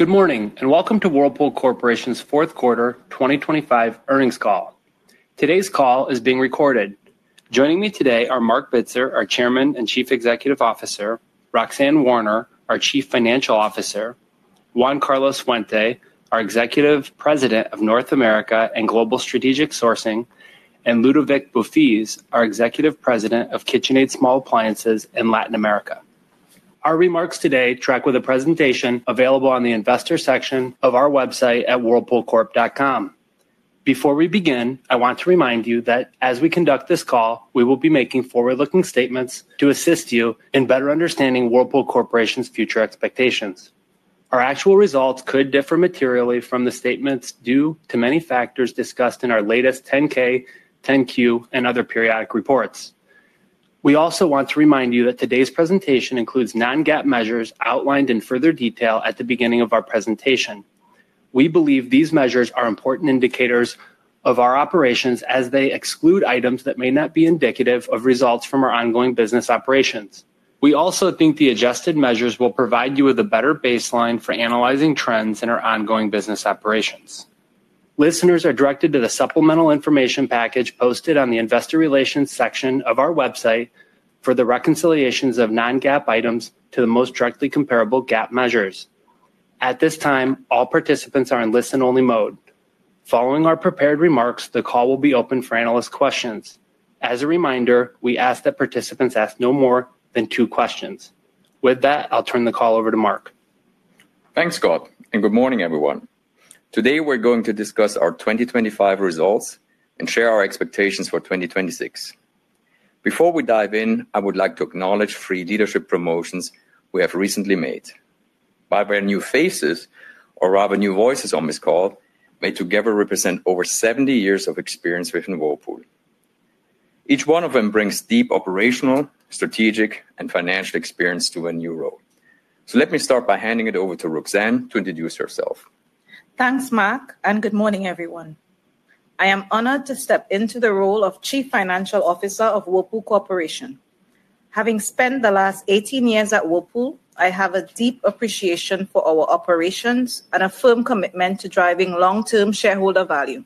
Good morning, and welcome to Whirlpool Corporation's fourth quarter 2025 earnings call. Today's call is being recorded. Joining me today are Marc Bitzer, our Chairman and Chief Executive Officer, Roxanne Warner, our Chief Financial Officer, Juan Carlos Puente, our Executive President of North America and Global Strategic Sourcing, and Ludovic Beaufils, our Executive President of KitchenAid Small Appliances in Latin America. Our remarks today track with a presentation available on the investor section of our website at whirlpoolcorp.com. Before we begin, I want to remind you that as we conduct this call, we will be making forward-looking statements to assist you in better understanding Whirlpool Corporation's future expectations. Our actual results could differ materially from the statements due to many factors discussed in our latest 10-K, 10-Q, and other periodic reports. We also want to remind you that today's presentation includes non-GAAP measures outlined in further detail at the beginning of our presentation. We believe these measures are important indicators of our operations as they exclude items that may not be indicative of results from our ongoing business operations. We also think the adjusted measures will provide you with a better baseline for analyzing trends in our ongoing business operations. Listeners are directed to the supplemental information package posted on the Investor Relations section of our website for the reconciliations of non-GAAP items to the most directly comparable GAAP measures. At this time, all participants are in listen-only mode. Following our prepared remarks, the call will be open for analyst questions. As a reminder, we ask that participants ask no more than two questions. With that, I'll turn the call over to Marc. Thanks, Scott, and good morning, everyone. Today, we're going to discuss our 2025 results and share our expectations for 2026. Before we dive in, I would like to acknowledge three leadership promotions we have recently made. While we're new faces, or rather new voices on this call, they together represent over 70 years of experience within Whirlpool. Each one of them brings deep operational, strategic, and financial experience to a new role. Let me start by handing it over to Roxanne to introduce herself. Thanks, Marc, and good morning, everyone. I am honored to step into the role of Chief Financial Officer of Whirlpool Corporation. Having spent the last 18 years at Whirlpool, I have a deep appreciation for our operations and a firm commitment to driving long-term shareholder value.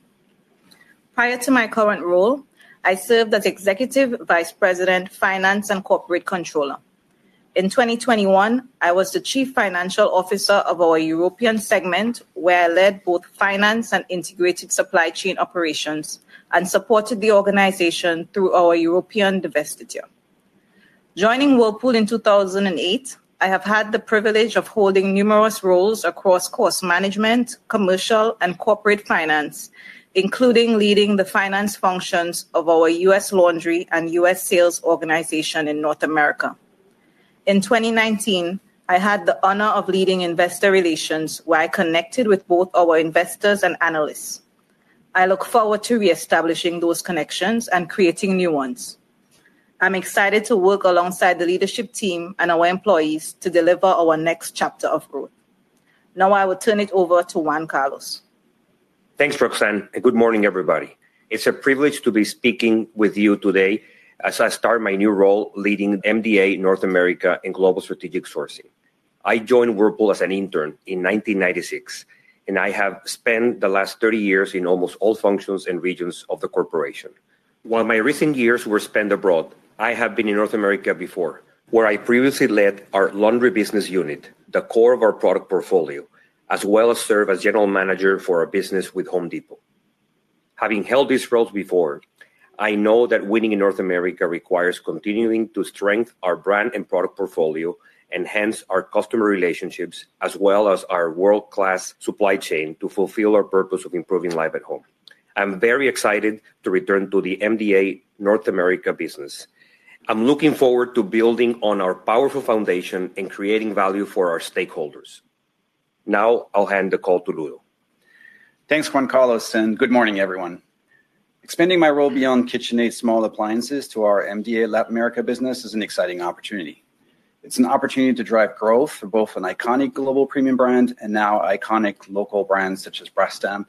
Prior to my current role, I served as Executive Vice President, Finance and Corporate Controller. In 2021, I was the Chief Financial Officer of our European segment, where I led both finance and integrated supply chain operations and supported the organization through our European divestiture. Joining Whirlpool in 2008, I have had the privilege of holding numerous roles across cost management, commercial, and corporate finance, including leading the finance functions of our U.S. Laundry and U.S. Sales organization in North America. In 2019, I had the honor of leading Investor Relations, where I connected with both our investors and analysts. I look forward to reestablishing those connections and creating new ones. I'm excited to work alongside the leadership team and our employees to deliver our next chapter of growth. Now, I will turn it over to Juan Carlos. Thanks, Roxanne, and good morning, everybody. It's a privilege to be speaking with you today as I start my new role leading MDA North America and Global Strategic Sourcing. I joined Whirlpool as an intern in 1996, and I have spent the last 30 years in almost all functions and regions of the corporation. While my recent years were spent abroad, I have been in North America before, where I previously led our laundry business unit, the core of our product portfolio, as well as served as General Manager for our business with Home Depot. Having held these roles before, I know that winning in North America requires continuing to strengthen our brand and product portfolio, enhance our customer relationships, as well as our world-class supply chain to fulfill our purpose of improving life at home. I'm very excited to return to the MDA North America business. I'm looking forward to building on our powerful foundation and creating value for our stakeholders. Now, I'll hand the call to Ludo. Thanks, Juan Carlos, and good morning, everyone. Expanding my role beyond KitchenAid Small Appliances to our MDA Latin America business is an exciting opportunity. It's an opportunity to drive growth for both an iconic global premium brand and now iconic local brands, such as Brastemp,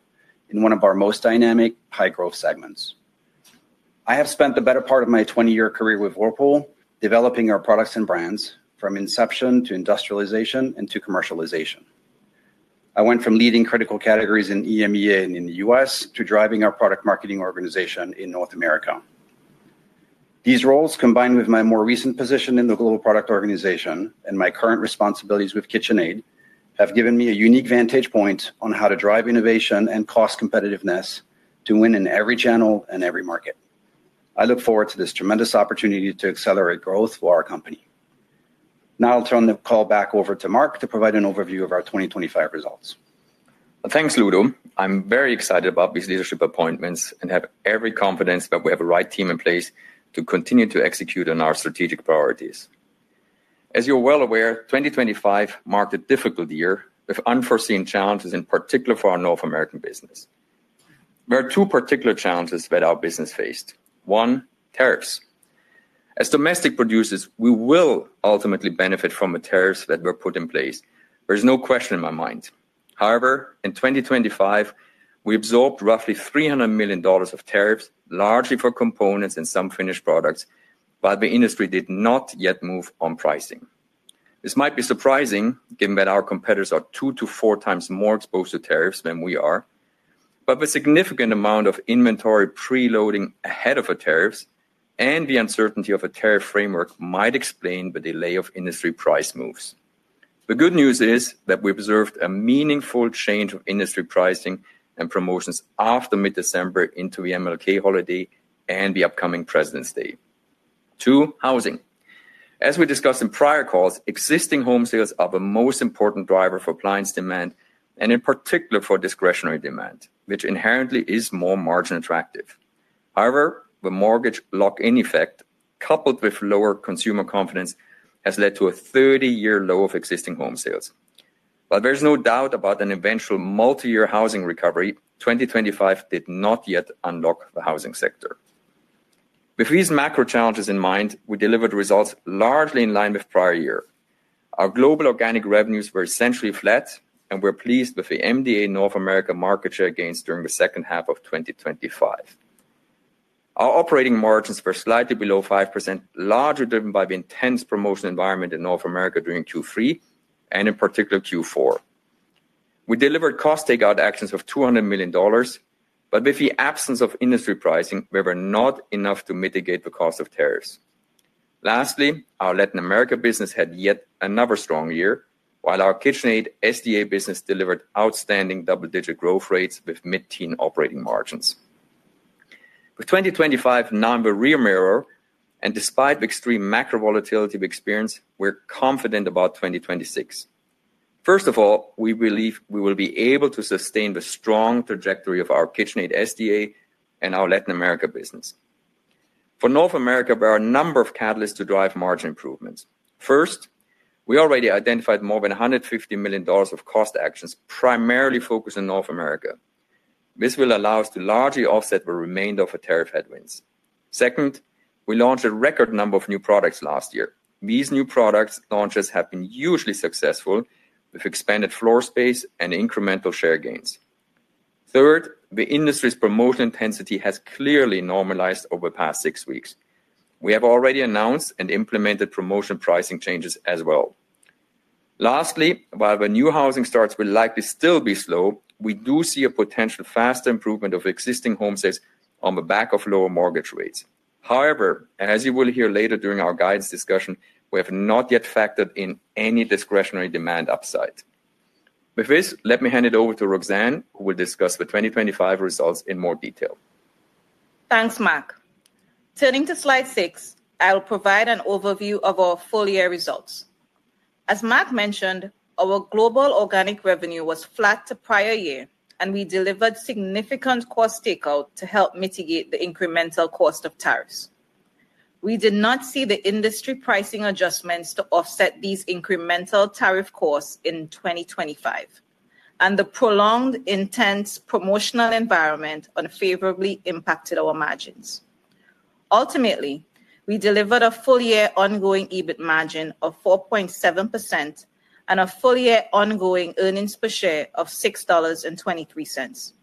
in one of our most dynamic, high-growth segments. I have spent the better part of my 20-year career with Whirlpool, developing our products and brands from inception to industrialization and to commercialization. I went from leading critical categories in EMEA and in the U.S. to driving our product marketing organization in North America. These roles, combined with my more recent position in the global product organization and my current responsibilities with KitchenAid, have given me a unique vantage point on how to drive innovation and cost competitiveness to win in every channel and every market. I look forward to this tremendous opportunity to accelerate growth for our company. Now, I'll turn the call back over to Marc to provide an overview of our 2025 results. Thanks, Ludo. I'm very excited about these leadership appointments and have every confidence that we have the right team in place to continue to execute on our strategic priorities. As you're well aware, 2025 marked a difficult year with unforeseen challenges, in particular for our North American business. There are two particular challenges that our business faced. One, tariffs. As domestic producers, we will ultimately benefit from the tariffs that were put in place. There's no question in my mind. However, in 2025, we absorbed roughly $300 million of tariffs, largely for components and some finished products, but the industry did not yet move on pricing. This might be surprising, given that our competitors are two to four times more exposed to tariffs than we are. But the significant amount of inventory preloading ahead of the tariffs and the uncertainty of a tariff framework might explain the delay of industry price moves. The good news is that we observed a meaningful change of industry pricing and promotions after mid-December into the MLK holiday and the upcoming Presidents' Day. Two, housing. As we discussed in prior calls, existing home sales are the most important driver for appliance demand and in particular for discretionary demand, which inherently is more margin attractive. However, the mortgage lock-in effect, coupled with lower consumer confidence, has led to a 30-year low of existing home sales. While there's no doubt about an eventual multi-year housing recovery, 2025 did not yet unlock the housing sector. With these macro challenges in mind, we delivered results largely in line with prior year. Our global organic revenues were essentially flat, and we're pleased with the MDA North America market share gains during the second half of 2025. Our operating margins were slightly below 5%, largely driven by the intense promotional environment in North America during Q3 and in particular, Q4. We delivered cost takeout actions of $200 million, but with the absence of industry pricing, they were not enough to mitigate the cost of tariffs. Lastly, our Latin America business had yet another strong year, while our KitchenAid SDA business delivered outstanding double-digit growth rates with mid-teen operating margins. With 2025 now in the rear mirror, and despite the extreme macro volatility we've experienced, we're confident about 2026. First of all, we believe we will be able to sustain the strong trajectory of our KitchenAid SDA and our Latin America business. For North America, there are a number of catalysts to drive margin improvements. First, we already identified more than $150 million of cost actions, primarily focused in North America. This will allow us to largely offset the remainder of the tariff headwinds. Second, we launched a record number of new products last year. These new product launches have been hugely successful, with expanded floor space and incremental share gains. Third, the industry's promotion intensity has clearly normalized over the past six weeks. We have already announced and implemented promotional pricing changes as well. Lastly, while the new housing starts will likely still be slow, we do see a potential faster improvement of existing home sales on the back of lower mortgage rates. However, as you will hear later during our guidance discussion, we have not yet factored in any discretionary demand upside. With this, let me hand it over to Roxanne, who will discuss the 2025 results in more detail. Thanks, Marc. Turning to slide six, I'll provide an overview of our full-year results. As Marc mentioned, our global organic revenue was flat to prior year, and we delivered significant cost takeout to help mitigate the incremental cost of tariffs. We did not see the industry pricing adjustments to offset these incremental tariff costs in 2025, and the prolonged, intense promotional environment unfavorably impacted our margins. Ultimately, we delivered a full-year ongoing EBIT margin of 4.7% and a full-year ongoing earnings per share of $6.23.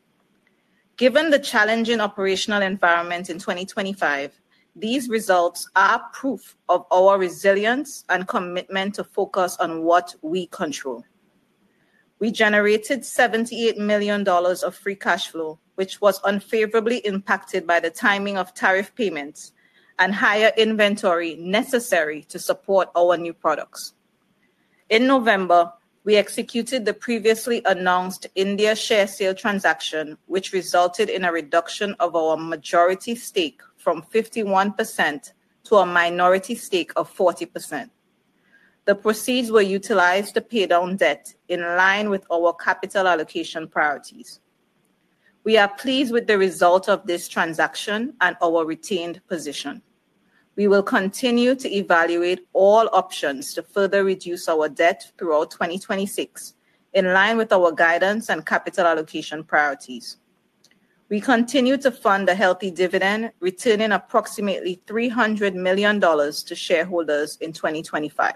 Given the challenging operational environment in 2025, these results are proof of our resilience and commitment to focus on what we control. We generated $78 million of free cash flow, which was unfavorably impacted by the timing of tariff payments and higher inventory necessary to support our new products. In November, we executed the previously announced India share sale transaction, which resulted in a reduction of our majority stake from 51% to a minority stake of 40%. The proceeds were utilized to pay down debt in line with our capital allocation priorities. We are pleased with the result of this transaction and our retained position. We will continue to evaluate all options to further reduce our debt throughout 2026, in line with our guidance and capital allocation priorities. We continue to fund a healthy dividend, returning approximately $300 million to shareholders in 2025.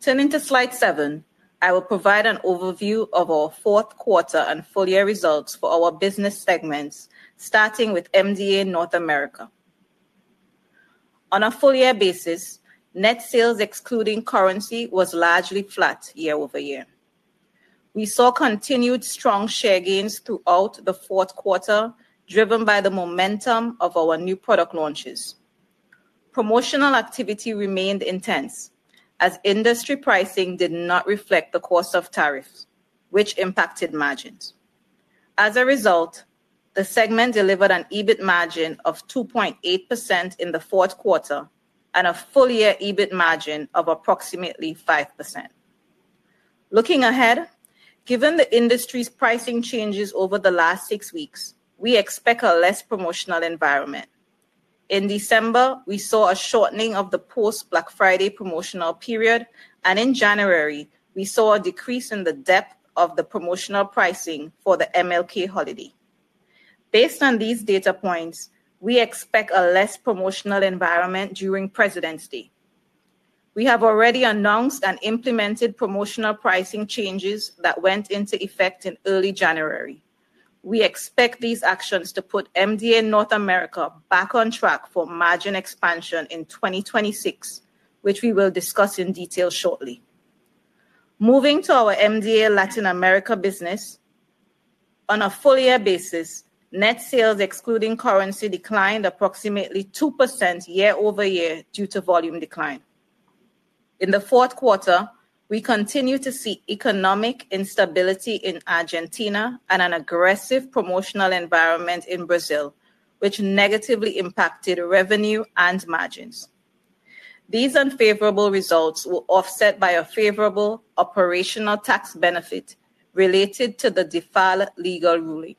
Turning to slide seven, I will provide an overview of our fourth quarter and full-year results for our business segments, starting with MDA North America. On a full-year basis, net sales, excluding currency, was largely flat year-over-year. We saw continued strong share gains throughout the fourth quarter, driven by the momentum of our new product launches. Promotional activity remained intense as industry pricing did not reflect the cost of tariffs, which impacted margins. As a result, the segment delivered an EBIT margin of 2.8% in the fourth quarter and a full-year EBIT margin of approximately 5%. Looking ahead, given the industry's pricing changes over the last six weeks, we expect a less promotional environment. In December, we saw a shortening of the post-Black Friday promotional period, and in January, we saw a decrease in the depth of the promotional pricing for the MLK holiday. Based on these data points, we expect a less promotional environment during Presidents' Day. We have already announced and implemented promotional pricing changes that went into effect in early January. We expect these actions to put MDA North America back on track for margin expansion in 2026, which we will discuss in detail shortly. Moving to our MDA Latin America business. On a full-year basis, net sales, excluding currency, declined approximately 2% year-over-year due to volume decline. In the fourth quarter, we continued to see economic instability in Argentina and an aggressive promotional environment in Brazil, which negatively impacted revenue and margins. These unfavorable results were offset by a favorable operational tax benefit related to the default legal ruling.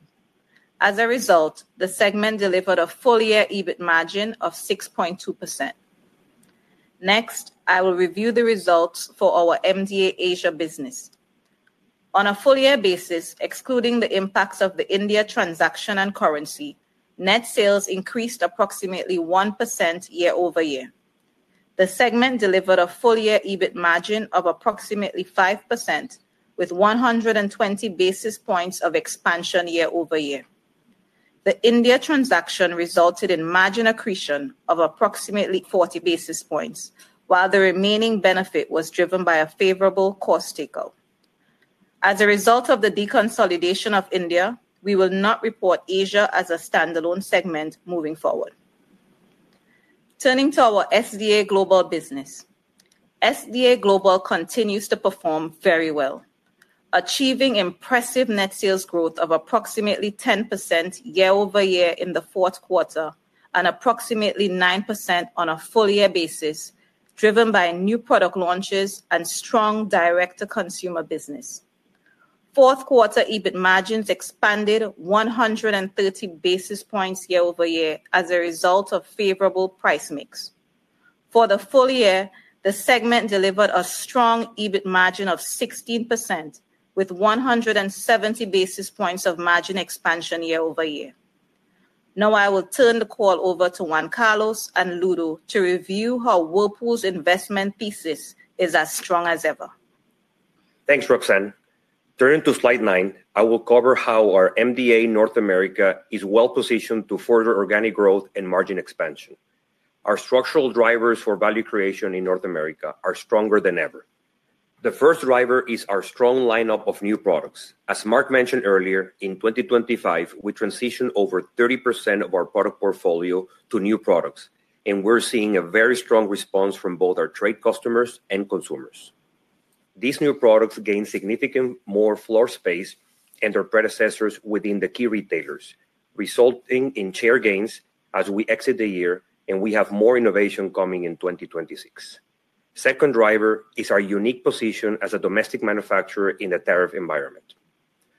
As a result, the segment delivered a full-year EBIT margin of 6.2%. Next, I will review the results for our MDA Asia business. On a full-year basis, excluding the impacts of the India transaction and currency, net sales increased approximately 1% year-over-year. The segment delivered a full year EBIT margin of approximately 5%, with 120 basis points of expansion year-over-year. The India transaction resulted in margin accretion of approximately 40 basis points, while the remaining benefit was driven by a favorable cost takeout. As a result of the deconsolidation of India, we will not report Asia as a standalone segment moving forward. Turning to our SDA Global business. SDA Global continues to perform very well, achieving impressive net sales growth of approximately 10% year-over-year in the fourth quarter, and approximately 9% on a full year basis, driven by new product launches and strong direct-to-consumer business. Fourth quarter EBIT margins expanded 130 basis points year-over-year as a result of favorable price mix. For the full year, the segment delivered a strong EBIT margin of 16%, with 170 basis points of margin expansion year-over-year. Now, I will turn the call over to Juan Carlos and Ludo to review how Whirlpool's investment thesis is as strong as ever. Thanks, Roxanne. Turning to slide nine, I will cover how our MDA North America is well-positioned to further organic growth and margin expansion. Our structural drivers for value creation in North America are stronger than ever. The first driver is our strong lineup of new products. As Marc mentioned earlier, in 2025, we transitioned over 30% of our product portfolio to new products, and we're seeing a very strong response from both our trade customers and consumers. These new products gain significant more floor space and their predecessors within the key retailers, resulting in share gains as we exit the year, and we have more innovation coming in 2026. Second driver is our unique position as a domestic manufacturer in the tariff environment.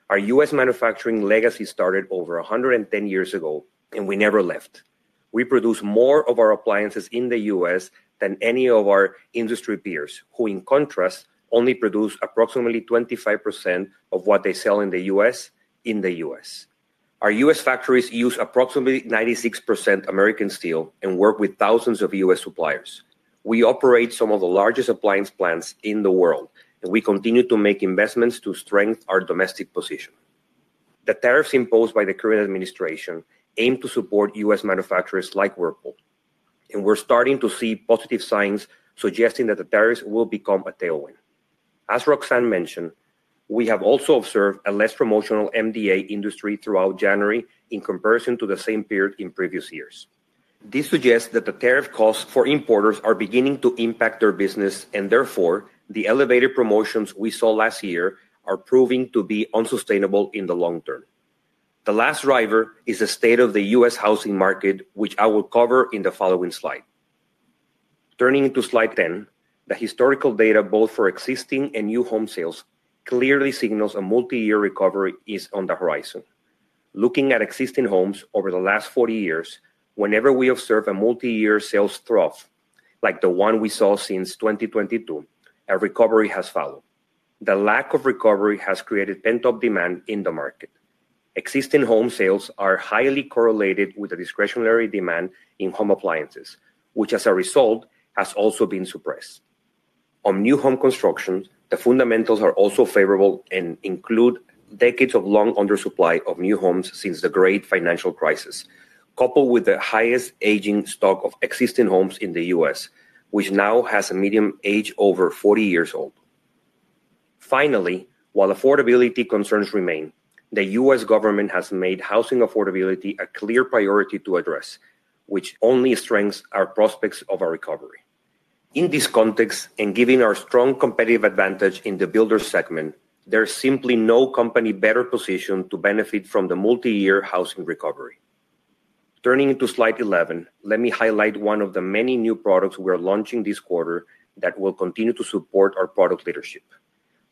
Our U.S. manufacturing legacy started over 110 years ago, and we never left. We produce more of our appliances in the U.S. than any of our industry peers, who, in contrast, only produce approximately 25% of what they sell in the U.S., in the U.S. Our U.S. factories use approximately 96% American steel and work with thousands of U.S. suppliers. We operate some of the largest appliance plants in the world, and we continue to make investments to strengthen our domestic position. The tariffs imposed by the current administration aim to support U.S. manufacturers like Whirlpool, and we're starting to see positive signs suggesting that the tariffs will become a tailwind. As Roxanne mentioned, we have also observed a less promotional MDA industry throughout January in comparison to the same period in previous years. This suggests that the tariff costs for importers are beginning to impact their business, and therefore, the elevated promotions we saw last year are proving to be unsustainable in the long-term. The last driver is the state of the U.S. housing market, which I will cover in the following slide. Turning to slide 10, the historical data, both for existing and new home sales, clearly signals a multi-year recovery is on the horizon. Looking at existing homes over the last 40 years, whenever we observe a multi-year sales trough, like the one we saw since 2022, a recovery has followed. The lack of recovery has created pent-up demand in the market. Existing home sales are highly correlated with the discretionary demand in home appliances, which as a result, has also been suppressed. On new home construction, the fundamentals are also favorable and include decades of long undersupply of new homes since the great financial crisis, coupled with the highest aging stock of existing homes in the U.S., which now has a median age over 40 years old. Finally, while affordability concerns remain, the U.S. government has made housing affordability a clear priority to address, which only strengthens our prospects of a recovery. In this context, and given our strong competitive advantage in the builder segment, there is simply no company better positioned to benefit from the multi-year housing recovery. Turning to slide 11, let me highlight one of the many new products we are launching this quarter that will continue to support our product leadership.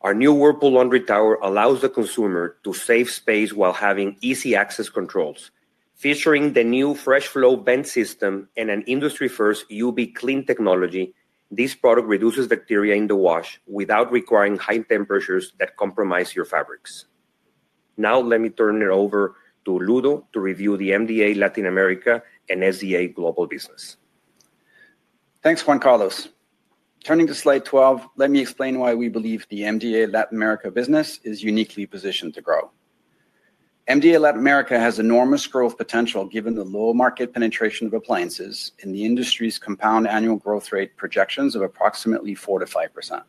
Our new Whirlpool Laundry Tower allows the consumer to save space while having easy access controls. Featuring the new FreshFlow vent system and an industry-first UV Clean technology, this product reduces bacteria in the wash without requiring high temperatures that compromise your fabrics. Now let me turn it over to Ludo to review the MDA Latin America and SDA Global business. Thanks, Juan Carlos. Turning to slide 12, let me explain why we believe the MDA Latin America business is uniquely positioned to grow. MDA Latin America has enormous growth potential, given the low market penetration of appliances and the industry's compound annual growth rate projections of approximately 4%-5%.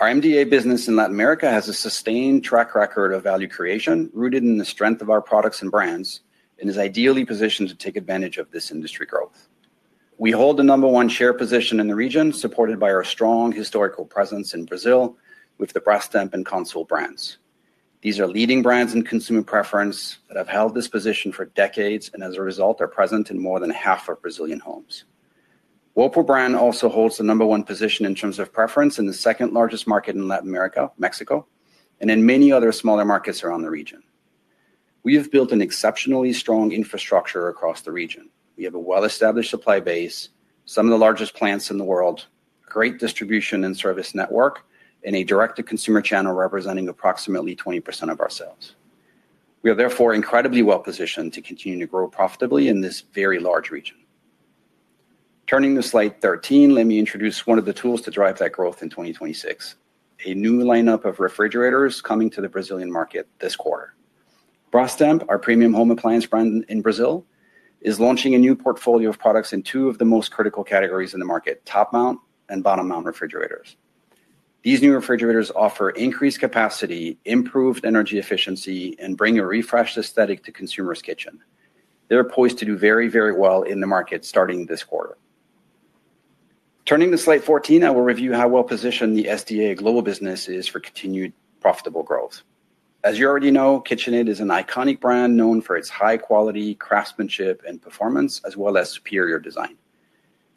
Our MDA business in Latin America has a sustained track record of value creation, rooted in the strength of our products and brands, and is ideally positioned to take advantage of this industry growth. We hold the number one share position in the region, supported by our strong historical presence in Brazil with the Brastemp and Consul brands. These are leading brands in consumer preference that have held this position for decades, and as a result, are present in more than half of Brazilian homes. Whirlpool brand also holds the number one position in terms of preference in the second-largest market in Latin America, Mexico, and in many other smaller markets around the region. We have built an exceptionally strong infrastructure across the region. We have a well-established supply base, some of the largest plants in the world, great distribution and service network, and a direct-to-consumer channel representing approximately 20% of our sales. We are therefore incredibly well-positioned to continue to grow profitably in this very large region. Turning to slide 13, let me introduce one of the tools to drive that growth in 2026, a new lineup of refrigerators coming to the Brazilian market this quarter. Brastemp, our premium home appliance brand in Brazil, is launching a new portfolio of products in two of the most critical categories in the market, top mount and bottom mount refrigerators. These new refrigerators offer increased capacity, improved energy efficiency, and bring a refreshed aesthetic to consumers' kitchen. They're poised to do very, very well in the market starting this quarter. Turning to slide 14, I will review how well-positioned the SDA Global business is for continued profitable growth. As you already know, KitchenAid is an iconic brand known for its high quality, craftsmanship, and performance, as well as superior design.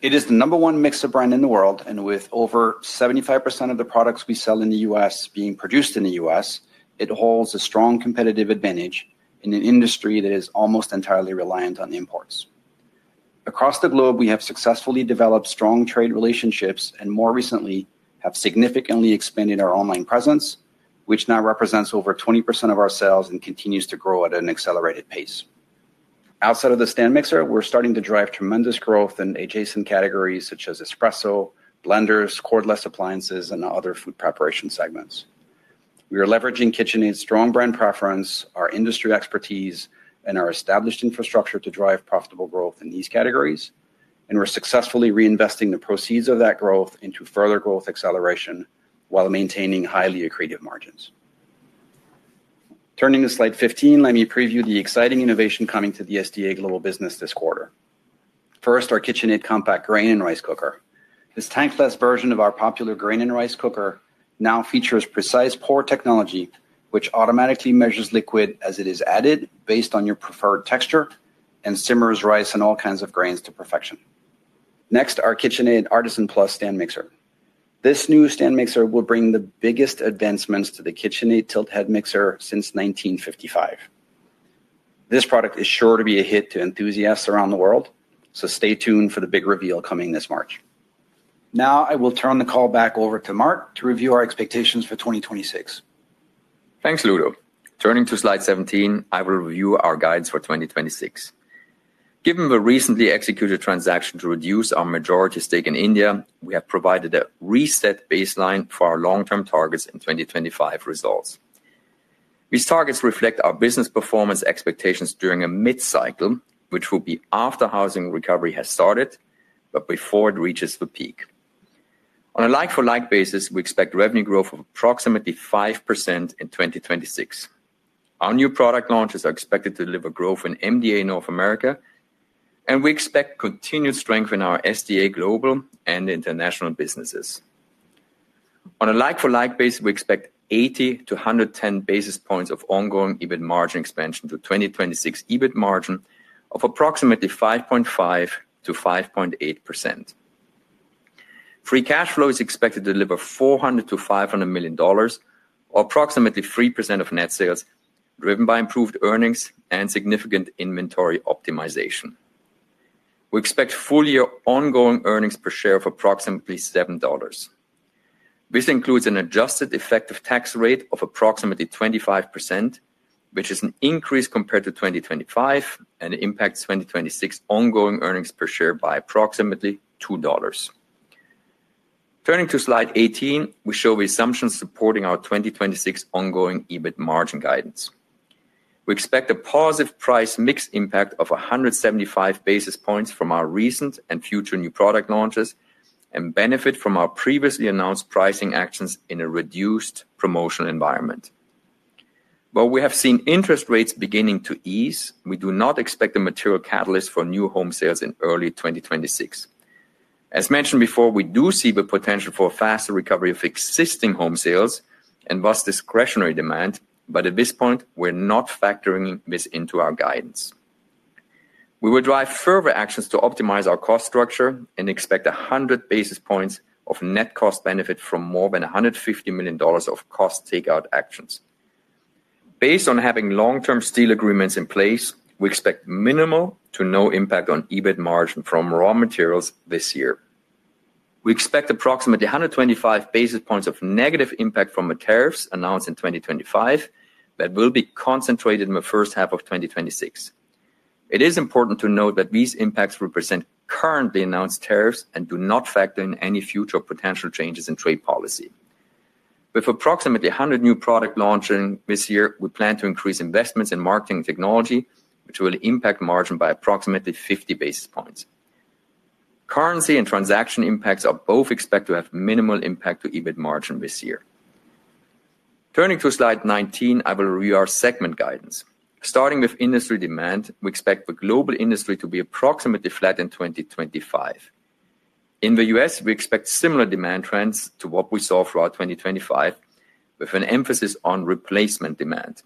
It is the number one mixer brand in the world, and with over 75% of the products we sell in the U.S. being produced in the U.S., it holds a strong competitive advantage in an industry that is almost entirely reliant on imports. Across the globe, we have successfully developed strong trade relationships, and more recently, have significantly expanded our online presence, which now represents over 20% of our sales and continues to grow at an accelerated pace. Outside of the stand mixer, we're starting to drive tremendous growth in adjacent categories such as espresso, blenders, cordless appliances, and other food preparation segments. We are leveraging KitchenAid's strong brand preference, our industry expertise, and our established infrastructure to drive profitable growth in these categories, and we're successfully reinvesting the proceeds of that growth into further growth acceleration while maintaining highly accretive margins. Turning to slide 15, let me preview the exciting innovation coming to the SDA Global business this quarter. First, our KitchenAid Compact Grain and Rice Cooker. This tankless version of our popular grain and rice cooker now features Precise Pour technology, which automatically measures liquid as it is added based on your preferred texture and simmers rice and all kinds of grains to perfection. Next, our KitchenAid Artisan Plus Stand Mixer. This new stand mixer will bring the biggest advancements to the KitchenAid Tilt-Head Mixer since 1955. This product is sure to be a hit to enthusiasts around the world, so stay tuned for the big reveal coming this March. Now, I will turn the call back over to Marc to review our expectations for 2026. Thanks, Ludo. Turning to slide 17, I will review our guides for 2026. Given the recently executed transaction to reduce our majority stake in India, we have provided a reset baseline for our long-term targets in 2025 results. These targets reflect our business performance expectations during a mid-cycle, which will be after housing recovery has started, but before it reaches the peak. On a like-for-like basis, we expect revenue growth of approximately 5% in 2026. Our new product launches are expected to deliver growth in MDA North America, and we expect continued strength in our SDA Global and international businesses. On a like-for-like basis, we expect 80-110 basis points of ongoing EBIT margin expansion to 2026 EBIT margin of approximately 5.5%-5.8%. Free cash flow is expected to deliver $400 million-$500 million, or approximately 3% of net sales, driven by improved earnings and significant inventory optimization. We expect full-year ongoing earnings per share of approximately $7. This includes an adjusted effective tax rate of approximately 25%, which is an increase compared to 2025 and impacts 2026 ongoing earnings per share by approximately $2. Turning to slide 18, we show the assumptions supporting our 2026 ongoing EBIT margin guidance. We expect a positive price mix impact of 175 basis points from our recent and future new product launches and benefit from our previously announced pricing actions in a reduced promotional environment. While we have seen interest rates beginning to ease, we do not expect a material catalyst for new home sales in early 2026. As mentioned before, we do see the potential for a faster recovery of existing home sales and thus discretionary demand, but at this point, we're not factoring this into our guidance. We will drive further actions to optimize our cost structure and expect 100 basis points of net cost benefit from more than $150 million of cost takeout actions. Based on having long-term steel agreements in place, we expect minimal to no impact on EBIT margin from raw materials this year. We expect approximately 125 basis points of negative impact from the tariffs announced in 2025, that will be concentrated in the first half of 2026. It is important to note that these impacts represent currently announced tariffs and do not factor in any future potential changes in trade policy. With approximately 100 new product launching this year, we plan to increase investments in marketing technology, which will impact margin by approximately 50 basis points. Currency and transaction impacts are both expected to have minimal impact to EBIT margin this year. Turning to slide 19, I will review our segment guidance. Starting with industry demand, we expect the global industry to be approximately flat in 2025. In the U.S., we expect similar demand trends to what we saw throughout 2025, with an emphasis on replacement demand.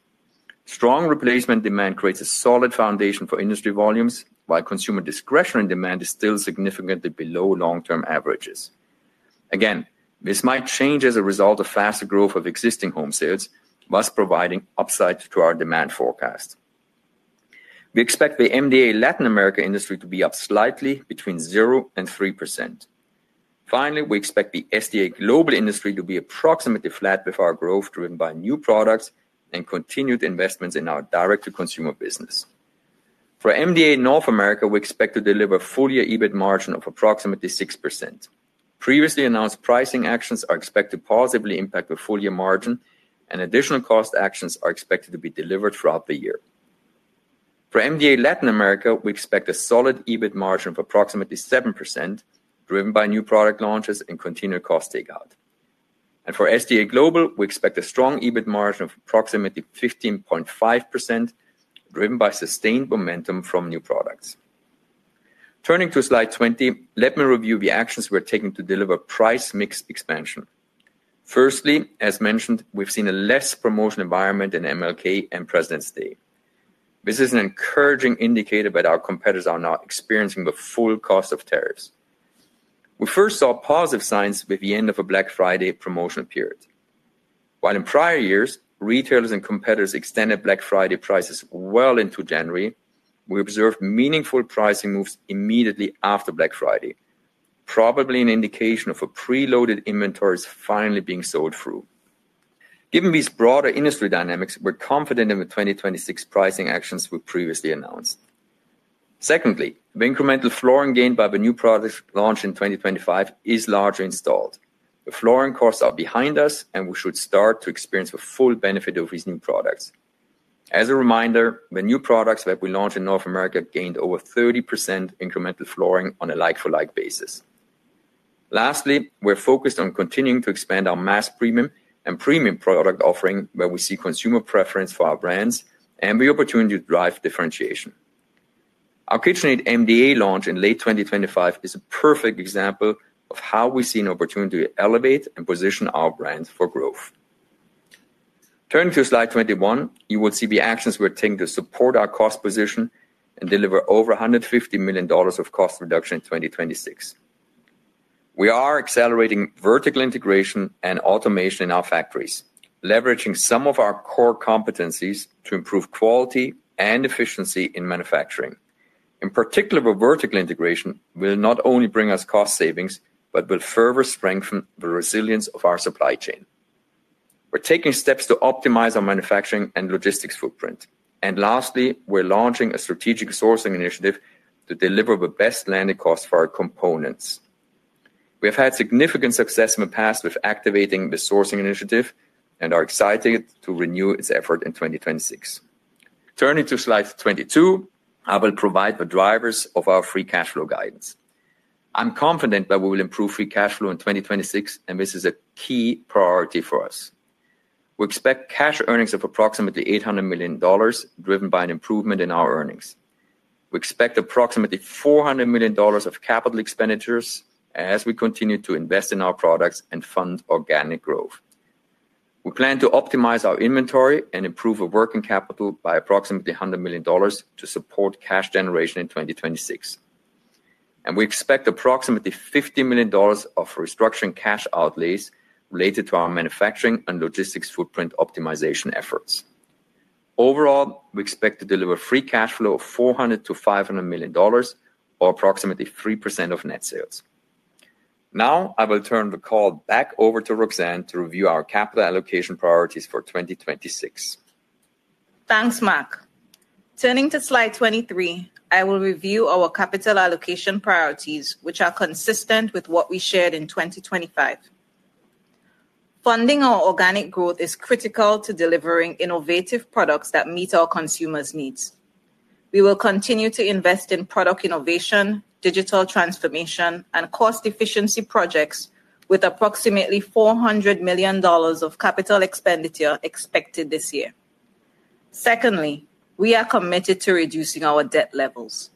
Strong replacement demand creates a solid foundation for industry volumes, while consumer discretionary demand is still significantly below long-term averages. Again, this might change as a result of faster growth of existing home sales, thus providing upside to our demand forecast. We expect the MDA Latin America industry to be up slightly between 0% and 3%. Finally, we expect the SDA Global industry to be approximately flat with our growth, driven by new products and continued investments in our direct-to-consumer business. For MDA North America, we expect to deliver full-year EBIT margin of approximately 6%. Previously announced pricing actions are expected to positively impact the full-year margin, and additional cost actions are expected to be delivered throughout the year. For MDA Latin America, we expect a solid EBIT margin of approximately 7%, driven by new product launches and continued cost takeout. And for SDA Global, we expect a strong EBIT margin of approximately 15.5%, driven by sustained momentum from new products. Turning to slide 20, let me review the actions we're taking to deliver price mix expansion. Firstly, as mentioned, we've seen a less promotional environment in MLK and Presidents' Day. This is an encouraging indicator that our competitors are now experiencing the full cost of tariffs. We first saw positive signs with the end of a Black Friday promotional period. While in prior years, retailers and competitors extended Black Friday prices well into January, we observed meaningful pricing moves immediately after Black Friday. Probably an indication of a pre-loaded inventory is finally being sold through. Given these broader industry dynamics, we're confident in the 2026 pricing actions we previously announced. Secondly, the incremental flooring gained by the new product launch in 2025 is largely installed. The flooring costs are behind us, and we should start to experience the full benefit of these new products. As a reminder, the new products that we launched in North America gained over 30% incremental flooring on a like-for-like basis. Lastly, we're focused on continuing to expand our mass premium and premium product offering, where we see consumer preference for our brands and the opportunity to drive differentiation. Our KitchenAid MDA launch in late 2025 is a perfect example of how we see an opportunity to elevate and position our brands for growth. Turning to slide 21, you will see the actions we're taking to support our cost position and deliver over $150 million of cost reduction in 2026. We are accelerating vertical integration and automation in our factories, leveraging some of our core competencies to improve quality and efficiency in manufacturing. In particular, the vertical integration will not only bring us cost savings, but will further strengthen the resilience of our supply chain. We're taking steps to optimize our manufacturing and logistics footprint. Lastly, we're launching a strategic sourcing initiative to deliver the best landed cost for our components. We have had significant success in the past with activating the sourcing initiative and are excited to renew its effort in 2026. Turning to slide 22, I will provide the drivers of our free cash flow guidance. I'm confident that we will improve free cash flow in 2026, and this is a key priority for us. We expect cash earnings of approximately $800 million, driven by an improvement in our earnings. We expect approximately $400 million of capital expenditures as we continue to invest in our products and fund organic growth. We plan to optimize our inventory and improve our working capital by approximately $100 million to support cash generation in 2026. We expect approximately $50 million of restructuring cash outlays related to our manufacturing and logistics footprint optimization efforts. Overall, we expect to deliver free cash flow of $400 million-$500 million or approximately 3% of net sales. Now, I will turn the call back over to Roxanne to review our capital allocation priorities for 2026. Thanks, Marc. Turning to slide 23, I will review our capital allocation priorities, which are consistent with what we shared in 2025. Funding our organic growth is critical to delivering innovative products that meet our consumers' needs. We will continue to invest in product innovation, digital transformation, and cost efficiency projects with approximately $400 million of capital expenditure expected this year. Secondly, we are committed to reducing our debt levels.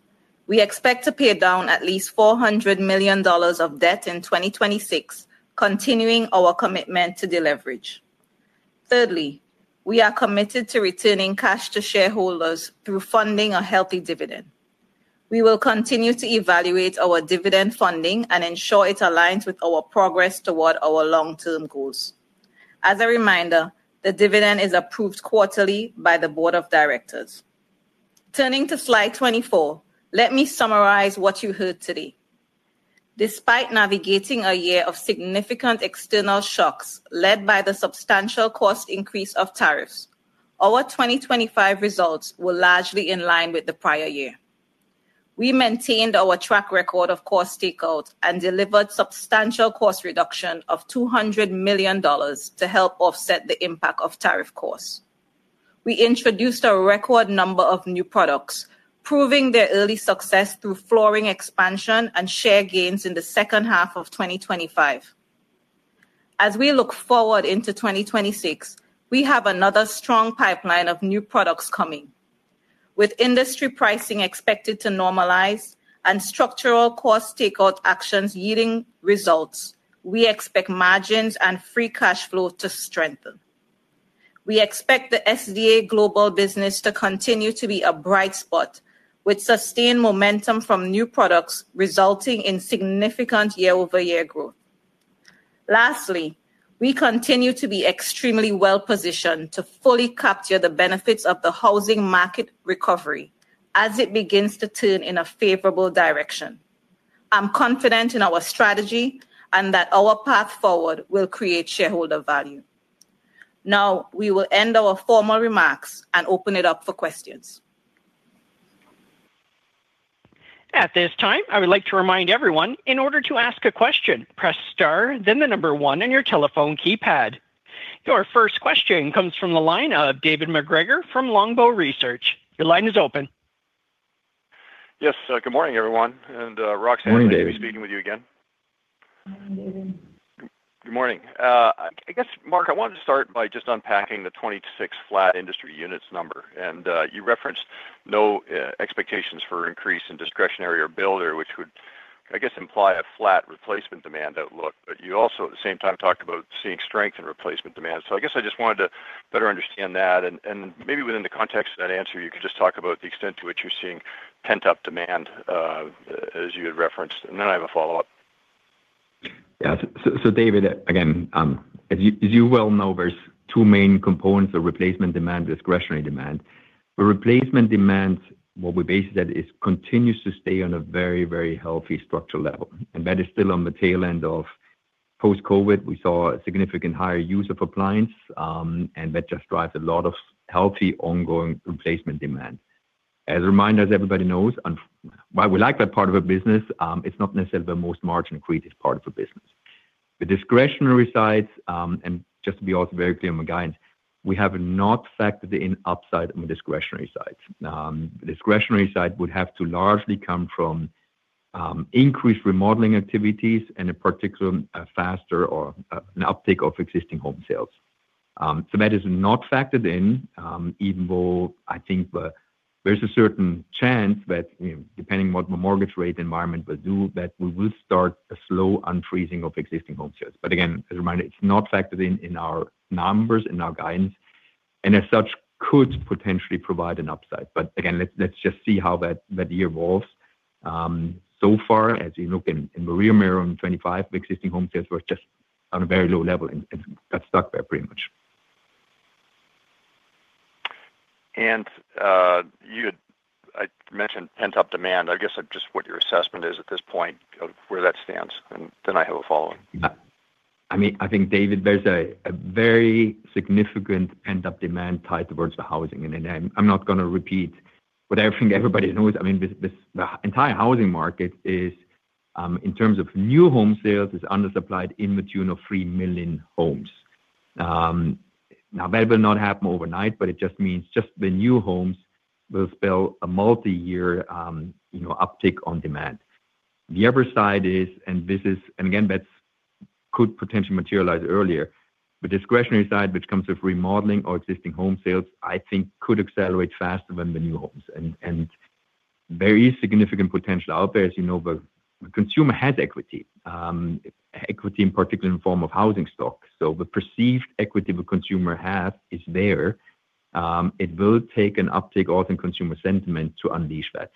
We expect to pay down at least $400 million of debt in 2026, continuing our commitment to deleverage. Thirdly, we are committed to returning cash to shareholders through funding a healthy dividend. We will continue to evaluate our dividend funding and ensure it aligns with our progress toward our long-term goals. As a reminder, the dividend is approved quarterly by the Board of Directors. Turning to slide 24, let me summarize what you heard today. Despite navigating a year of significant external shocks led by the substantial cost increase of tariffs, our 2025 results were largely in line with the prior year. We maintained our track record of cost takeout and delivered substantial cost reduction of $200 million to help offset the impact of tariff costs. We introduced a record number of new products, proving their early success through flooring expansion and share gains in the second half of 2025. As we look forward into 2026, we have another strong pipeline of new products coming. With industry pricing expected to normalize and structural cost takeout actions yielding results, we expect margins and free cash flow to strengthen. We expect the SDA Global business to continue to be a bright spot, with sustained momentum from new products, resulting in significant year-over-year growth. Lastly, we continue to be extremely well-positioned to fully capture the benefits of the housing market recovery as it begins to turn in a favorable direction. I'm confident in our strategy and that our path forward will create shareholder value. Now, we will end our formal remarks and open it up for questions. At this time, I would like to remind everyone, in order to ask a question, press star, then the number one on your telephone keypad. Your first question comes from the line of David MacGregor from Longbow Research. Your line is open. Yes, good morning, everyone, and Roxanne- Good morning, David. Happy to be speaking with you again. Good morning. I guess, Marc, I wanted to start by just unpacking the 2026 flat industry units number, and you referenced no expectations for increase in discretionary or builder, which would, I guess, imply a flat replacement demand outlook. But you also, at the same time, talked about seeing strength in replacement demand. So I guess I just wanted to better understand that, and maybe within the context of that answer, you could just talk about the extent to which you're seeing pent-up demand, as you had referenced, and then I have a follow-up. Yeah. So, David, again, as you well know, there's two main components of replacement demand, discretionary demand. The replacement demand, what we base that, is continues to stay on a very, very healthy structural level, and that is still on the tail end of post-COVID. We saw a significant higher use of appliance, and that just drives a lot of healthy, ongoing replacement demand. As a reminder, as everybody knows, and while we like that part of our business, it's not necessarily the most margin-accretive part of the business. The discretionary side, and just to be also very clear on the guidance, we have not factored in upside on the discretionary side. The discretionary side would have to largely come from, increased remodeling activities and in particular, a faster or, an uptick of existing home sales. So that is not factored in, even though I think there's a certain chance that, you know, depending what the mortgage rate environment will do, that we will start a slow unfreezing of existing home sales. But again, as a reminder, it's not factored in our numbers, in our guidance, and as such, could potentially provide an upside. But again, let's just see how that year evolves. So far, as you look in the rear mirror on 2025, existing home sales were just on a very low level and got stuck there, pretty much. You had mentioned pent-up demand. I guess just what your assessment is at this point of where that stands, and then I have a follow-up. I mean, I think, David, there's a very significant pent-up demand tied towards the housing, and then I'm not gonna repeat what I think everybody knows. I mean, this, the entire housing market is, in terms of new home sales, is undersupplied in the tune of 3 million homes. Now, that will not happen overnight, but it just means just the new homes will spell a multiyear, you know, uptick on demand. The other side is, and this is. And again, that could potentially materialize earlier. The discretionary side, which comes with remodeling or existing home sales, I think could accelerate faster than the new homes. And there is significant potential out there, as you know, the consumer has equity, equity in particular in form of housing stock. So the perceived equity the consumer has is there. It will take an uptick in consumer sentiment to unleash that.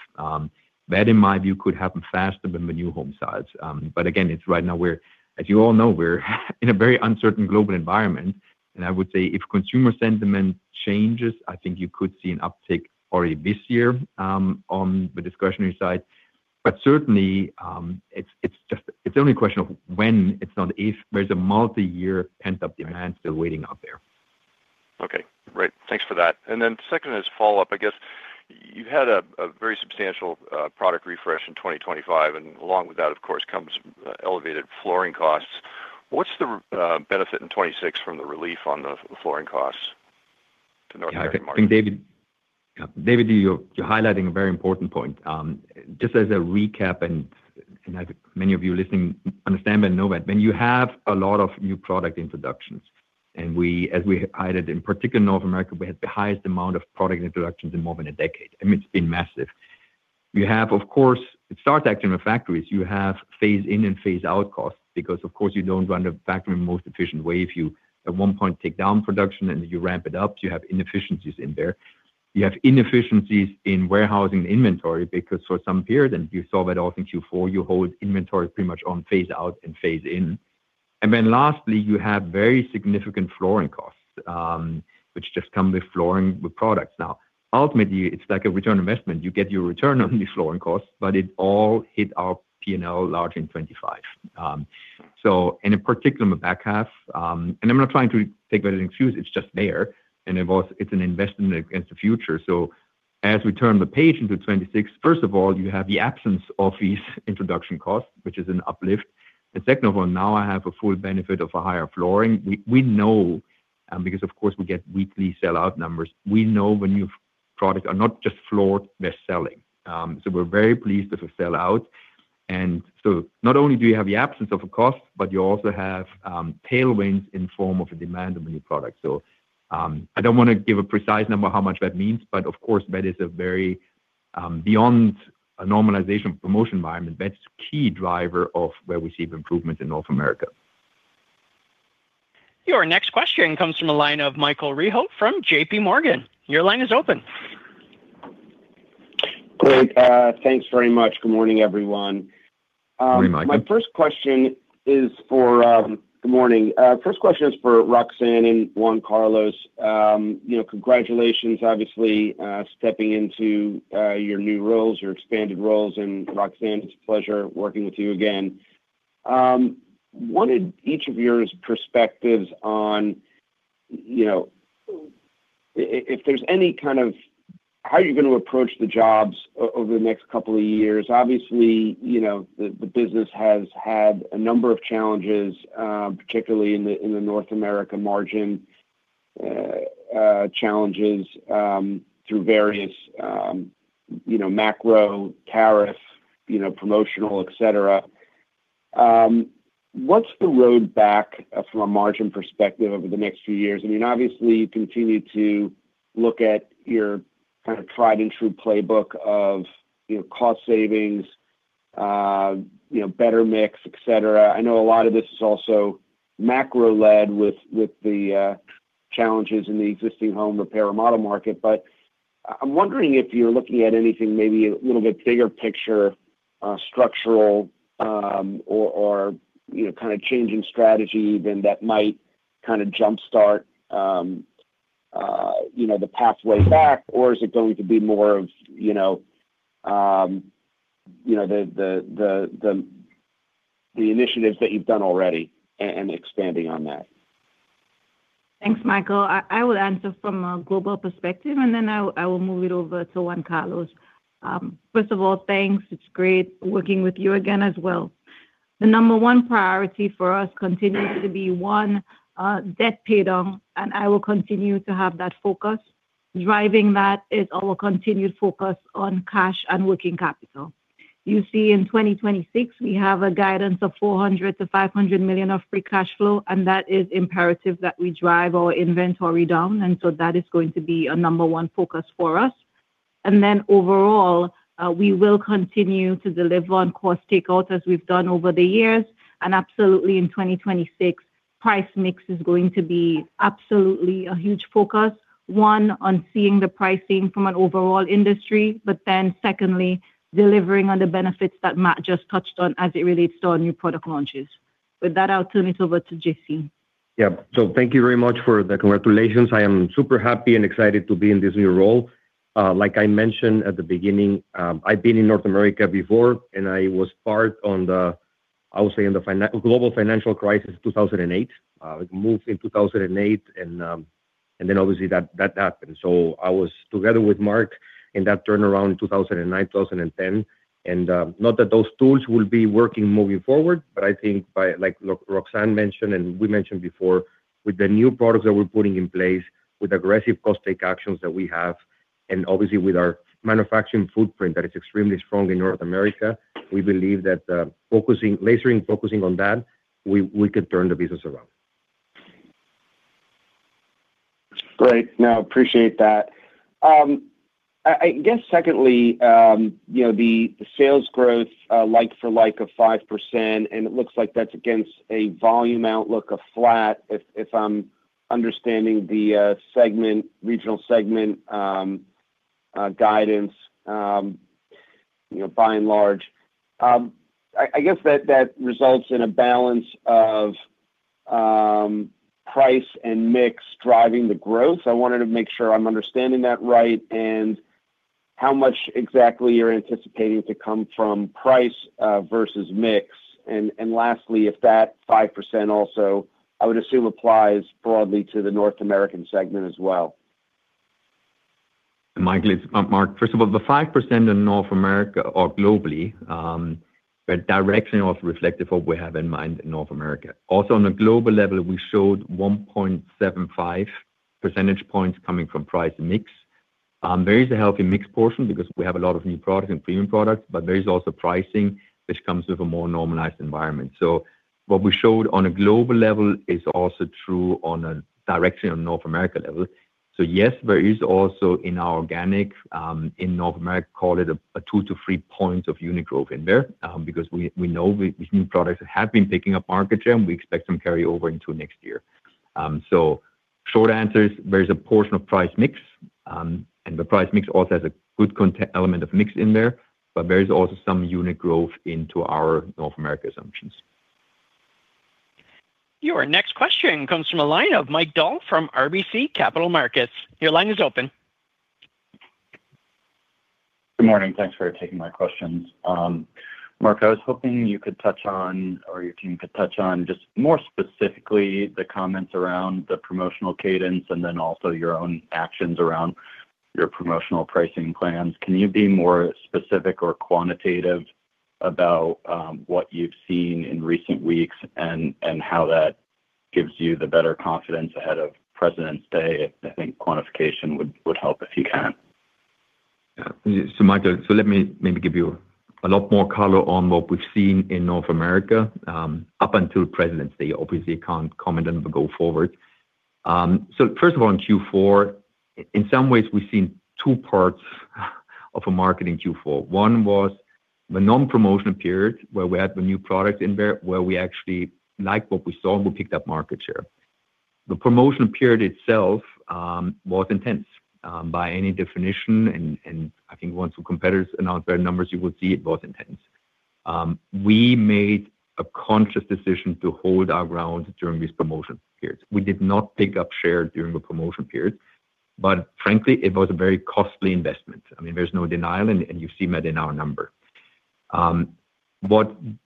That, in my view, could happen faster than the new home sales. But again, it's right now we're—as you all know, we're in a very uncertain global environment, and I would say if consumer sentiment changes, I think you could see an uptick already this year on the discretionary side. But certainly, it's just, it's only a question of when, it's not if, there's a multiyear pent-up demand still waiting out there. Okay. Great. Thanks for that. And then second, as a follow-up, I guess you had a very substantial product refresh in 2025, and along with that, of course, comes elevated flooring costs. What's the benefit in 2026 from the relief on the flooring costs to North American market? I think, David, yeah, David, you're highlighting a very important point. Just as a recap, and as many of you listening understand and know that when you have a lot of new product introductions, and we, as we highlighted, in particular, North America, we had the highest amount of product introductions in more than a decade. I mean, it's been massive. We have, of course, it starts actually in the factories. You have phase in and phase out costs because, of course, you don't run the factory in the most efficient way if you, at one point, take down production and you ramp it up, you have inefficiencies in there. You have inefficiencies in warehousing inventory because for some period, and you saw that all in Q4, you hold inventory pretty much on phase out and phase in. And then lastly, you have very significant flooring costs, which just come with flooring with products. Now, ultimately, it's like a return on investment. You get your return on the flooring costs, but it all hit our P&L largely in 2025. So, and in particular in the back half, and I'm not trying to take anything excuse, it's just there, and it was—it's an investment in the future. So as we turn the page into 2026, first of all, you have the absence of these introduction costs, which is an uplift. And second of all, now I have a full benefit of a higher flooring. We know, because of course, we get weekly sell-out numbers. We know when new products are not just floored, they're selling. So we're very pleased with the sell-out. And so not only do you have the absence of a cost, but you also have, tailwinds in form of a demand of a new product. So, I don't wanna give a precise number how much that means, but of course, that is a very, beyond a normalization promotion environment. That's key driver of where we see improvement in North America. Your next question comes from a line of Michael Rehaut from JPMorgan. Your line is open. Great. Thanks very much. Good morning, everyone. Good morning, Michael. My first question is for... Good morning. First question is for Roxanne and Juan Carlos. You know, congratulations, obviously, stepping into your new roles, your expanded roles, and Roxanne, it's a pleasure working with you again. What is each of your perspectives on, you know, if there's any, kind of how you're gonna approach the jobs over the next couple of years? Obviously, you know, the business has had a number of challenges, particularly in the North America margin, challenges, through various, you know, macro, tariff, you know, promotional, et cetera. What's the road back from a margin perspective over the next few years? I mean, obviously, you continue to look at your kind of tried-and-true playbook of, you know, cost savings, you know, better mix, et cetera. I know a lot of this is also macro-led with the challenges in the existing home repair and model market, but I'm wondering if you're looking at anything maybe a little bit bigger picture, structural, or, you know, kind of changing strategy, then that might kind of jumpstart, you know, the pathway back, or is it going to be more of, you know, the initiatives that you've done already and expanding on that? Thanks, Michael. I will answer from a global perspective, and then I'll move it over to Juan Carlos. First of all, thanks. It's great working with you again as well. The number one priority for us continues to be, one, debt pay down, and I will continue to have that focus. Driving that is our continued focus on cash and working capital. You see, in 2026, we have a guidance of $400 million-$500 million of free cash flow, and that is imperative that we drive our inventory down, and so that is going to be a number one focus for us. And then overall, we will continue to deliver on cost takeout, as we've done over the years, and absolutely in 2026, price mix is going to be absolutely a huge focus, one, on seeing the pricing from an overall industry, but then secondly, delivering on the benefits that Marc just touched on as it relates to our new product launches. With that, I'll turn it over to JC. Yeah. So thank you very much for the congratulations. I am super happy and excited to be in this new role. Like I mentioned at the beginning, I've been in North America before, and I was part of the, I would say, in the global financial crisis, 2008. I moved in 2008, and then obviously, that happened. So I was together with Marc in that turnaround in 2009, 2010. Not that those tools will be working moving forward, but I think by, like Roxanne mentioned, and we mentioned before, with the new products that we're putting in place, with aggressive cost take actions that we have, and obviously with our manufacturing footprint that is extremely strong in North America, we believe that focusing, lasering, focusing on that, we could turn the business around. Great. I appreciate that. I guess secondly, you know, the sales growth, like for like of 5%, and it looks like that's against a volume outlook of flat, if I'm understanding the segment, regional segment guidance, you know, by and large. I guess that results in a balance of price and mix driving the growth. I wanted to make sure I'm understanding that right, and how much exactly you're anticipating to come from price versus mix. And lastly, if that 5% also, I would assume, applies broadly to the North American segment as well. Michael, it's Mark. First of all, the 5% in North America or globally, but directionally reflective of what we have in mind in North America. Also, on a global level, we showed 1.75 percentage points coming from price and mix. There is a healthy mix portion because we have a lot of new products and premium products, but there is also pricing, which comes with a more normalized environment. So what we showed on a global level is also true on a directionally on North America level. So yes, there is also in our organic, in North America, call it 2-3 points of unit growth in there, because we know these new products have been picking up market share, and we expect them carry over into next year. So, short answer is, there's a portion of price mix, and the price mix also has a good content element of mix in there, but there is also some unit growth into our North America assumptions. Your next question comes from a line of Mike Dahl from RBC Capital Markets. Your line is open. Good morning. Thanks for taking my questions. Marc, I was hoping you could touch on, or your team could touch on, just more specifically, the comments around the promotional cadence and then also your own actions around your promotional pricing plans. Can you be more specific or quantitative about what you've seen in recent weeks and how that gives you the better confidence ahead of Presidents' Day? I think quantification would help, if you can. Yeah. So, Michael, so let me maybe give you a lot more color on what we've seen in North America, up until Presidents' Day. Obviously, I can't comment on the go forward. So first of all, in Q4, in some ways we've seen two parts of a market in Q4. One was the non-promotional period, where we had the new product in there, where we actually liked what we saw, and we picked up market share. The promotional period itself was intense, by any definition, and, and I think once the competitors announced their numbers, you will see it was intense. We made a conscious decision to hold our ground during this promotion period. We did not pick up share during the promotion period, but frankly, it was a very costly investment. I mean, there's no denial, and, and you see that in our number. But the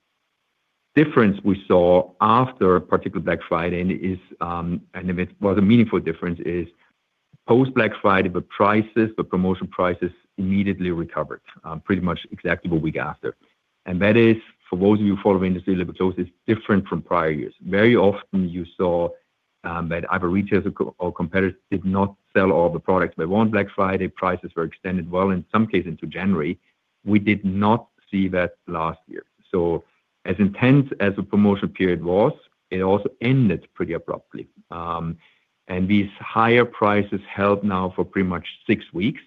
difference we saw after that particular Black Friday is, and well, the meaningful difference is post-Black Friday, the prices, the promotion prices immediately recovered, pretty much exactly what we got there. And that is, for those of you who follow industry, a little bit different from prior years. Very often you saw that either retailers or, or competitors did not sell all the products they want. Black Friday prices were extended, well, in some cases into January. We did not see that last year. So as intense as the promotion period was, it also ended pretty abruptly. And these higher prices held now for pretty much six weeks.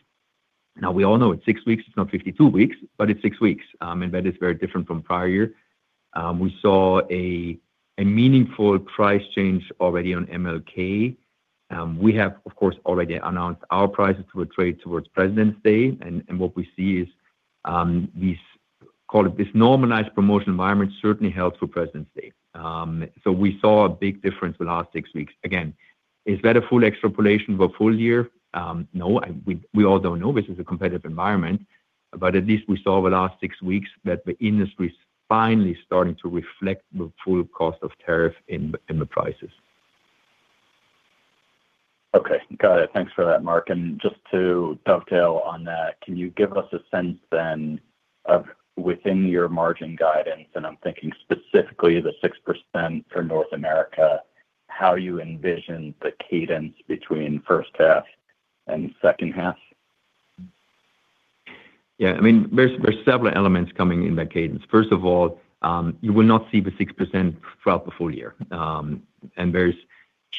Now, we all know it's six weeks, it's not 52 weeks, but it's six weeks, and that is very different from prior years. We saw a meaningful price change already on MLK. We have, of course, already announced our prices to a trade towards Presidents' Day, and what we see is this, call it, this normalized promotion environment certainly held through Presidents' Day. So we saw a big difference the last six weeks. Again, is that a full extrapolation of a full year? No, and we all don't know. This is a competitive environment, but at least we saw the last six weeks that the industry is finally starting to reflect the full cost of tariff in the prices. Okay, got it. Thanks for that, Marc. And just to dovetail on that, can you give us a sense then of within your margin guidance, and I'm thinking specifically the 6% for North America, how you envision the cadence between first half and second half? Yeah, I mean, there's several elements coming in that cadence. First of all, you will not see the 6% throughout the full year. And there's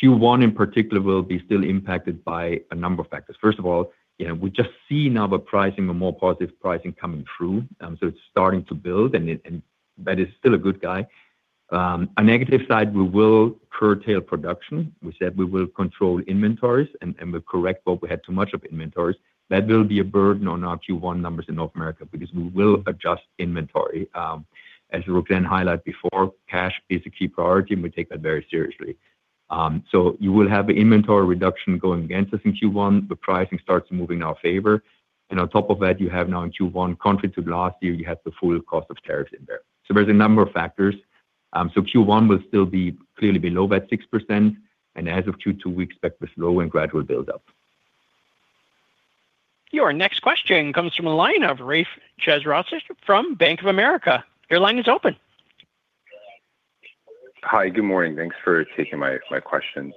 Q1 in particular, will be still impacted by a number of factors. First of all, you know, we just see now the pricing, the more positive pricing coming through, so it's starting to build, and that is still a good guy. A negative side, we will curtail production. We said we will control inventories, and we're correct, but we had too much of inventories. That will be a burden on our Q1 numbers in North America because we will adjust inventory. As Roxanne highlight before, cash is a key priority, and we take that very seriously. So you will have an inventory reduction going against us in Q1. The pricing starts moving in our favor, and on top of that, you have now in Q1, contrary to last year, you had the full cost of tariffs in there. So there's a number of factors. So Q1 will still be clearly below that 6%, and as of Q2, we expect the slow and gradual buildup. Your next question comes from a line of Rafe Jadrosich from Bank of America. Your line is open. Hi, good morning. Thanks for taking my questions.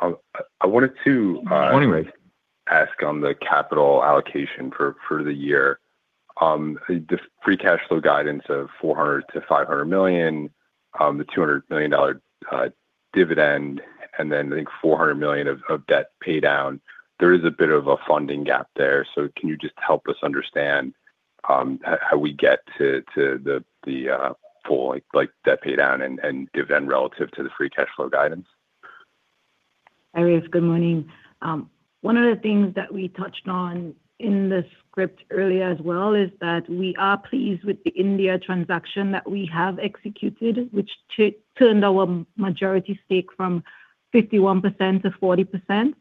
I wanted to, Good morning, Rafe. Ask on the capital allocation for the year. The free cash flow guidance of $400 million-$500 million, the $200 million dividend, and then I think $400 million of debt paydown. There is a bit of a funding gap there, so can you just help us understand how we get to the full, like, debt paydown and dividend relative to the free cash flow guidance? Hi, Rafe. Good morning. One of the things that we touched on in the script earlier as well is that we are pleased with the India transaction that we have executed, which turned our majority stake from 51%-40%.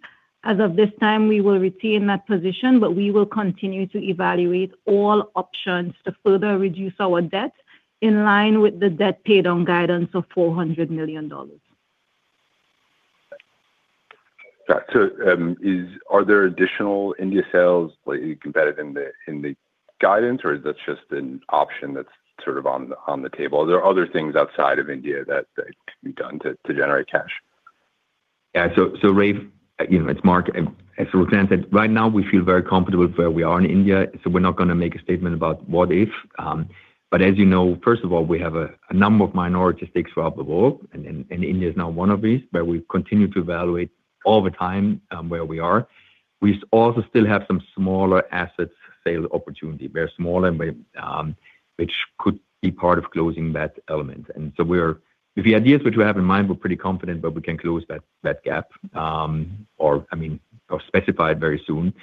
As of this time, we will retain that position, but we will continue to evaluate all options to further reduce our debt in line with the debt paydown guidance of $400 million. Got you. Are there additional India sales competitive in the guidance, or is that just an option that's sort of on the table? Are there other things outside of India that could be done to generate cash? Yeah. So, Rafe, you know, it's Marc. As Roxanne said, right now we feel very comfortable with where we are in India, so we're not gonna make a statement about what if. But as you know, first of all, we have a number of minority stakes throughout the world, and India is now one of these, but we continue to evaluate all the time where we are. We also still have some smaller assets sale opportunity, very small and very, which could be part of closing that element. And so we're, with the ideas which we have in mind, we're pretty confident that we can close that gap, or I mean, or specify it very soon.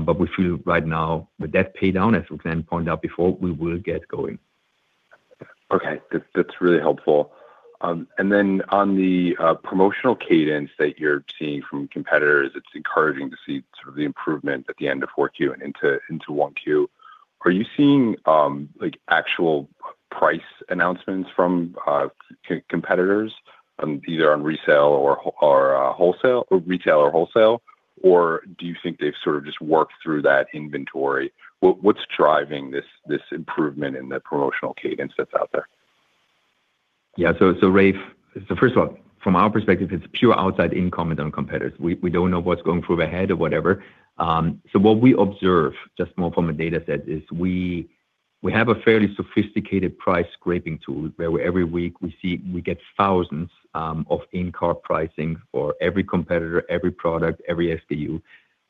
But we feel right now with that pay down, as we pointed out before, we will get going. Okay, that, that's really helpful. And then on the promotional cadence that you're seeing from competitors, it's encouraging to see sort of the improvement at the end of 4Q and into 1Q. Are you seeing like actual price announcements from competitors either on resale or or wholesale or retail or wholesale? Or do you think they've sort of just worked through that inventory? What what's driving this this improvement in the promotional cadence that's out there? Yeah. So, Rafe, first of all, from our perspective, it's pure outside in comment on competitors. We don't know what's going through their head or whatever. So what we observe, just more from a data set, is we have a fairly sophisticated price scraping tool, where every week we get thousands of in-cart pricing for every competitor, every product, every SKU.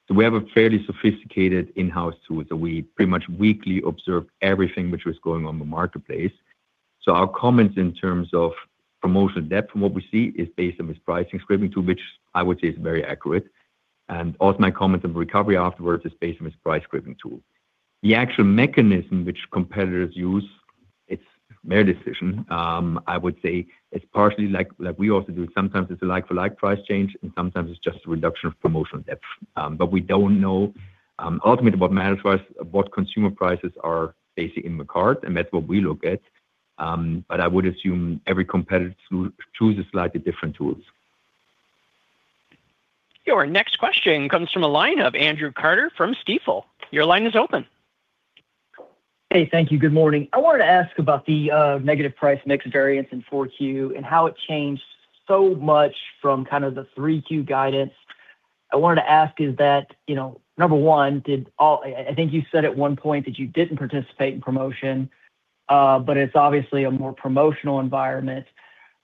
So we have a fairly sophisticated in-house tool, so we pretty much weekly observe everything which was going on in the marketplace. So our comments in terms of promotional depth from what we see is based on this pricing scraping tool, which I would say is very accurate. And also my comments on recovery afterwards is based on this price scraping tool. The actual mechanism which competitors use, it's their decision. I would say it's partially like, we also do, sometimes it's a like-for-like price change, and sometimes it's just a reduction of promotional depth. But we don't know, ultimately, what matters to us, what consumer prices are basically in the cart, and that's what we look at. But I would assume every competitor chooses slightly different tools. Your next question comes from a line of Andrew Carter from Stifel. Your line is open. Hey, thank you. Good morning. I wanted to ask about the negative price mix variance in 4Q, and how it changed so much from kind of the 3Q guidance. I wanted to ask, is that, you know, number one, I think you said at one point that you didn't participate in promotion, but it's obviously a more promotional environment.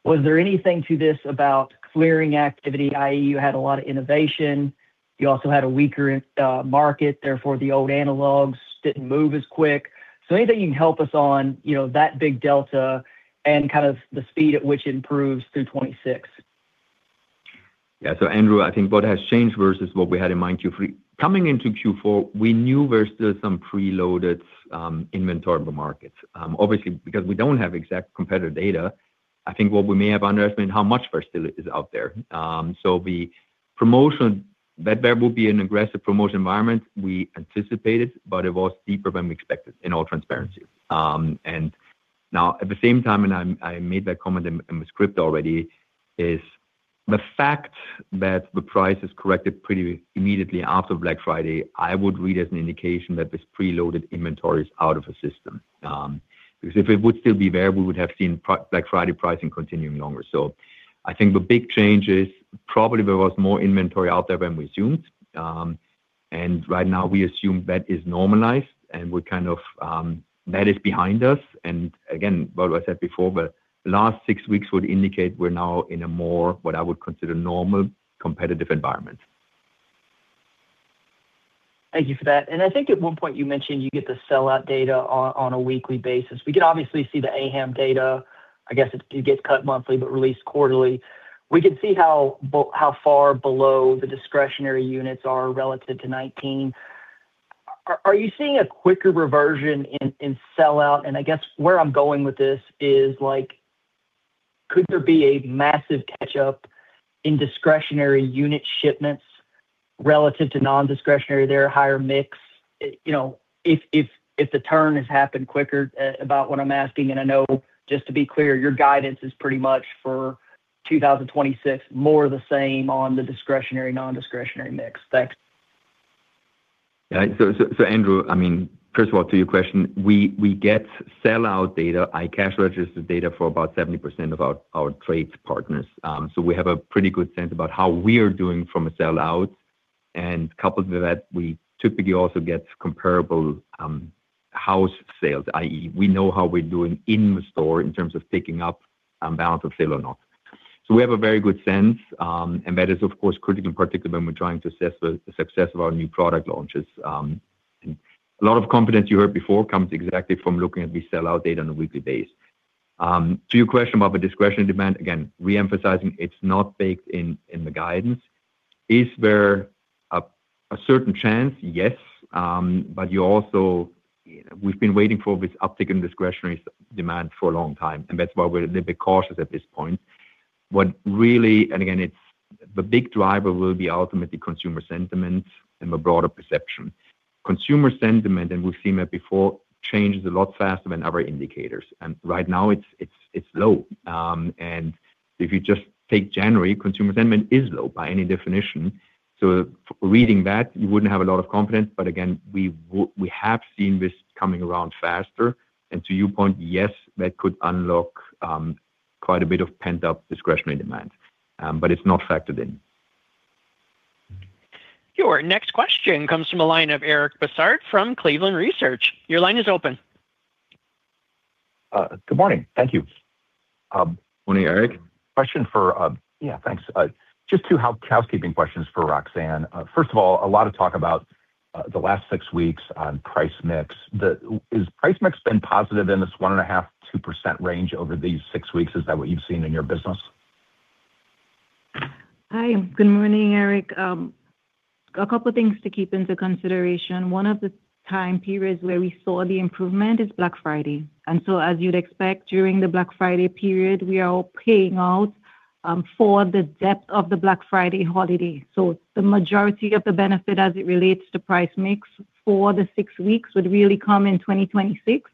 Was there anything to this about clearing activity, i.e. you had a lot of innovation, you also had a weaker market, therefore, the old analogs didn't move as quick? So anything you can help us on, you know, that big delta and kind of the speed at which it improves through 2026. Yeah. So, Andrew, I think what has changed versus what we had in mind Q3. Coming into Q4, we knew there was still some preloaded inventory on the market. Obviously, because we don't have exact competitor data, I think what we may have underestimated how much inventory is out there. So the promotion that there will be an aggressive promotion environment we anticipated, but it was deeper than we expected in all transparency. And now, at the same time, and I, I made that comment in, in the script already, is the fact that the price is corrected pretty immediately after Black Friday, I would read as an indication that this preloaded inventory is out of the system. Because if it would still be there, we would have seen Black Friday pricing continuing longer. I think the big change is probably there was more inventory out there than we assumed. And right now we assume that is normalized, and we're kind of, that is behind us. Again, what I said before, but last six weeks would indicate we're now in a more, what I would consider normal, competitive environment. Thank you for that. And I think at one point you mentioned you get the sellout data on a weekly basis. We can obviously see the AHAM data. I guess it gets cut monthly, but released quarterly. We can see how far below the discretionary units are relative to [2019]. Are you seeing a quicker reversion in sell out? And I guess where I'm going with this is like, could there be a massive catch up in discretionary unit shipments relative to nondiscretionary there, higher mix? You know, if the turn has happened quicker about what I'm asking, and I know just to be clear, your guidance is pretty much for 2026, more of the same on the discretionary, nondiscretionary mix. Thanks. Yeah. So Andrew, I mean, first of all, to your question, we get sellout data, i.e., cash register data for about 70% of our trade partners. We have a pretty good sense about how we are doing from a sellout. And coupled with that, we typically also get comparable house sales, i.e., we know how we're doing in the store in terms of picking up balance of sale or not. We have a very good sense, and that is, of course, critical, in particular, when we're trying to assess the success of our new product launches. A lot of confidence you heard before comes exactly from looking at the sellout data on a weekly basis. To your question about the discretionary demand, again, reemphasizing it's not baked in the guidance. Is there a certain chance? Yes, but you also, we've been waiting for this uptick in discretionary demand for a long time, and that's why we're a little bit cautious at this point. What really, and again, it's the big driver will be ultimately consumer sentiment and the broader perception. Consumer sentiment, and we've seen that before, changes a lot faster than other indicators, and right now it's low. And if you just take January, consumer sentiment is low by any definition. So reading that, you wouldn't have a lot of confidence. But again, we have seen this coming around faster. And to your point, yes, that could unlock quite a bit of pent-up discretionary demand, but it's not factored in. Your next question comes from a line of Eric Bosshard from Cleveland Research. Your line is open.... Good morning. Thank you. Good morning, Eric. Question for—Yeah, thanks. Just two housekeeping questions for Roxanne. First of all, a lot of talk about the last six weeks on price mix. Is price mix been positive in this 1.5%-2% range over these six weeks? Is that what you've seen in your business? Hi, good morning, Eric. A couple things to keep into consideration. One of the time periods where we saw the improvement is Black Friday. So as you'd expect, during the Black Friday period, we are all paying out for the depth of the Black Friday holiday. The majority of the benefit as it relates to price mix for the six weeks would really come in 2026.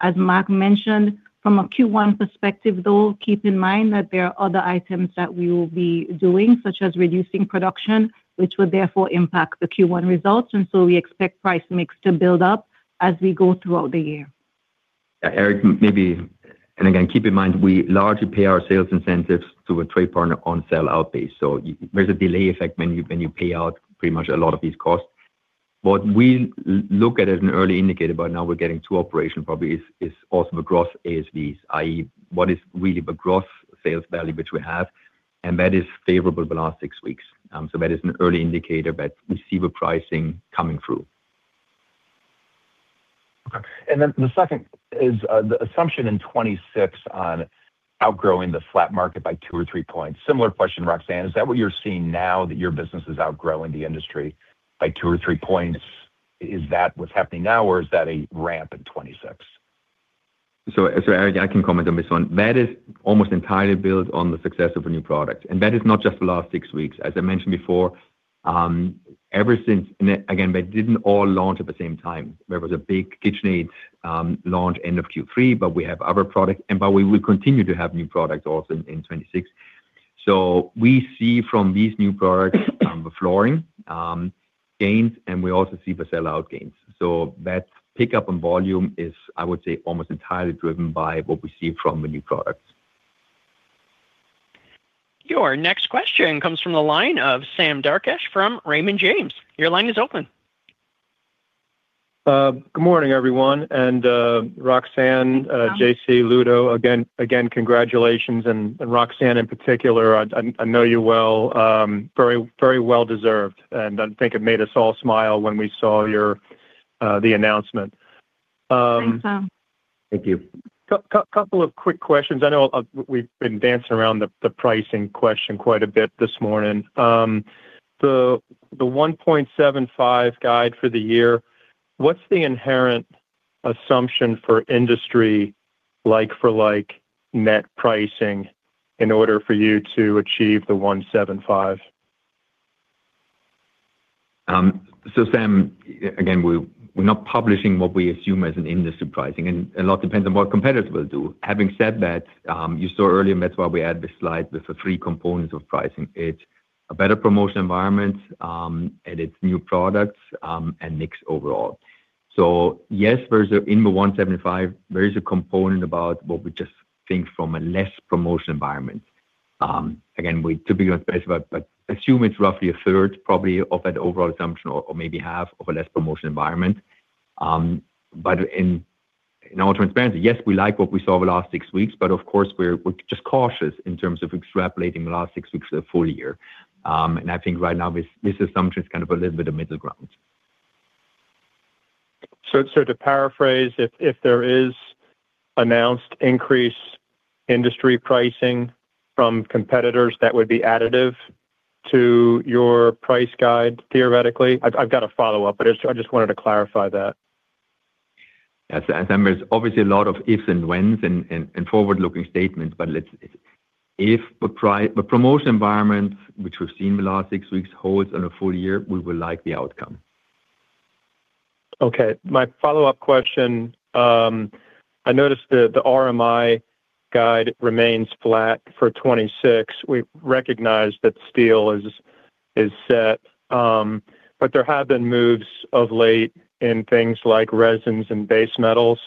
As Marc mentioned, from a Q1 perspective, though, keep in mind that there are other items that we will be doing, such as reducing production, which would therefore impact the Q1 results, and so we expect price mix to build up as we go throughout the year. Yeah, Eric, maybe. And again, keep in mind, we largely pay our sales incentives to a trade partner on sell-out basis. So there's a delay effect when you, when you pay out pretty much a lot of these costs. What we look at as an early indicator, but now we're getting to operation probably, is also the Gross GSVs, i.e., what is really the Gross Sales Value which we have, and that is favorable the last six weeks. So that is an early indicator, but we see the pricing coming through. Okay. And then the second is, the assumption in 2026 on outgrowing the flat market by 2 or 3 points. Similar question, Roxanne, is that what you're seeing now that your business is outgrowing the industry by 2 or 3 points? Is that what's happening now, or is that a ramp in 2026? So, so, Eric, I can comment on this one. That is almost entirely built on the success of a new product, and that is not just the last six weeks. As I mentioned before, ever since— And again, they didn't all launch at the same time. There was a big KitchenAid launch end of Q3, but we have other product, and but we will continue to have new products also in 2026. So we see from these new products the flooring gains, and we also see the sell out gains. So that pickup in volume is, I would say, almost entirely driven by what we see from the new products. Your next question comes from the line of Sam Darkatsh from Raymond James. Your line is open. Good morning, everyone, and Roxanne, JC, Ludo, again, congratulations. Roxanne, in particular, I know you well. Very, very well deserved, and I think it made us all smile when we saw your announcement. Thanks, Sam. Thank you. Couple of quick questions. I know we've been dancing around the pricing question quite a bit this morning. The $175 guide for the year, what's the inherent assumption for industry like-for-like net pricing in order for you to achieve the $175? So Sam, again, we're not publishing what we assume as an industry pricing, and a lot depends on what competitors will do. Having said that, you saw earlier, and that's why we add this slide with the three components of pricing. It's a better promotion environment, and it's new products, and mix overall. So yes, there's in the $175, there is a component about what we just think from a less promotion environment. Again, we typically don't specify, but assume it's roughly 1/3, probably of that overall assumption or maybe half of a less promotion environment. But in all transparency, yes, we like what we saw the last six weeks, but of course, we're just cautious in terms of extrapolating the last six weeks of the full year. I think right now, this assumption is kind of a little bit of middle ground. So, to paraphrase, if there is announced increase industry pricing from competitors, that would be additive to your price guide, theoretically? I've got a follow-up, but I just wanted to clarify that. Yes, and there's obviously a lot of ifs and whens and forward-looking statements, but let's if the promotion environment, which we've seen in the last six weeks, holds on a full year, we will like the outcome. Okay, my follow-up question. I noticed the RMI guide remains flat for 2026. We recognize that steel is set, but there have been moves of late in things like resins and base metals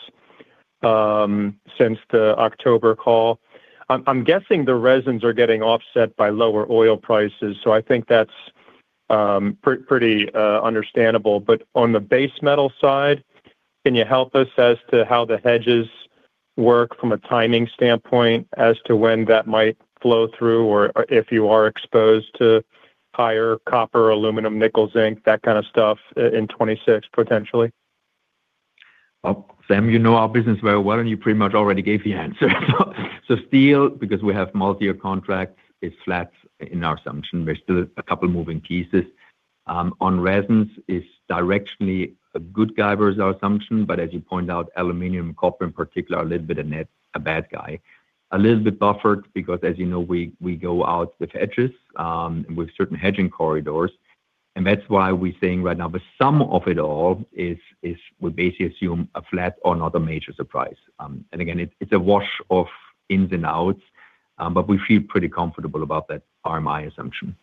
since the October call. I'm guessing the resins are getting offset by lower oil prices, so I think that's pretty understandable. But on the base metal side, can you help us as to how the hedges work from a timing standpoint as to when that might flow through, or if you are exposed to higher copper, aluminum, nickel, zinc, that kind of stuff in 2026, potentially? Well, Sam, you know our business very well, and you pretty much already gave the answer. So steel, because we have multi-year contract, is flat in our assumption. There's still a couple of moving pieces. On resins, it's directionally a good guy versus our assumption, but as you pointed out, aluminum, copper in particular, a little bit a net, a bad guy. A little bit buffered, because as you know, we, we go out with hedges, with certain hedging corridors, and that's why we're saying right now, the sum of it all is, is we basically assume a flat or not a major surprise. And again, it, it's a wash of ins and outs, but we feel pretty comfortable about that RMI assumption.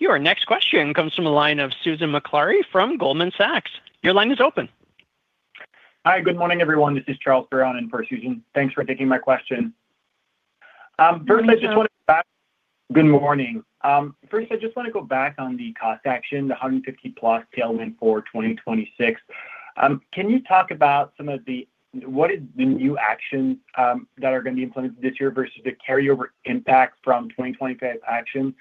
Your next question comes from a line of Susan McClary from Goldman Sachs. Your line is open. Hi, good morning, everyone. This is Charles Perron in for Susan. Thanks for taking my question. First, I just want to go back on the cost action, the $150+ million tailwind for 2026. Can you talk about some of the—what is the new action that are going to be implemented this year versus the carryover impact from 2025 action?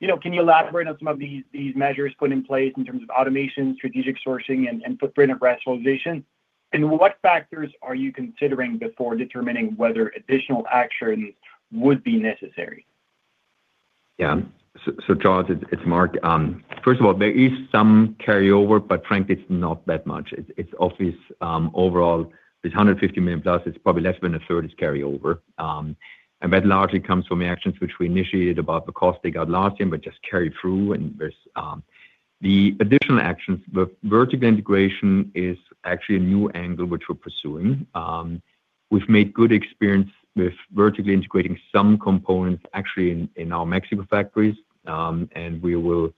You know, can you elaborate on some of these, these measures put in place in terms of automation, strategic sourcing, and footprint of rationalization? And what factors are you considering before determining whether additional action would be necessary? Yeah. So, Charles, it's Marc. First of all, there is some carryover, but frankly, it's not that much. It's obvious, overall, this $150+ million, it's probably less than 1/3 is carryover. And that largely comes from the actions which we initiated about the cost takeout last year, but just carry through. And there's the additional actions, the vertical integration is actually a new angle, which we're pursuing. We've made good experience with vertically integrating some components actually in our Mexico factories. And we will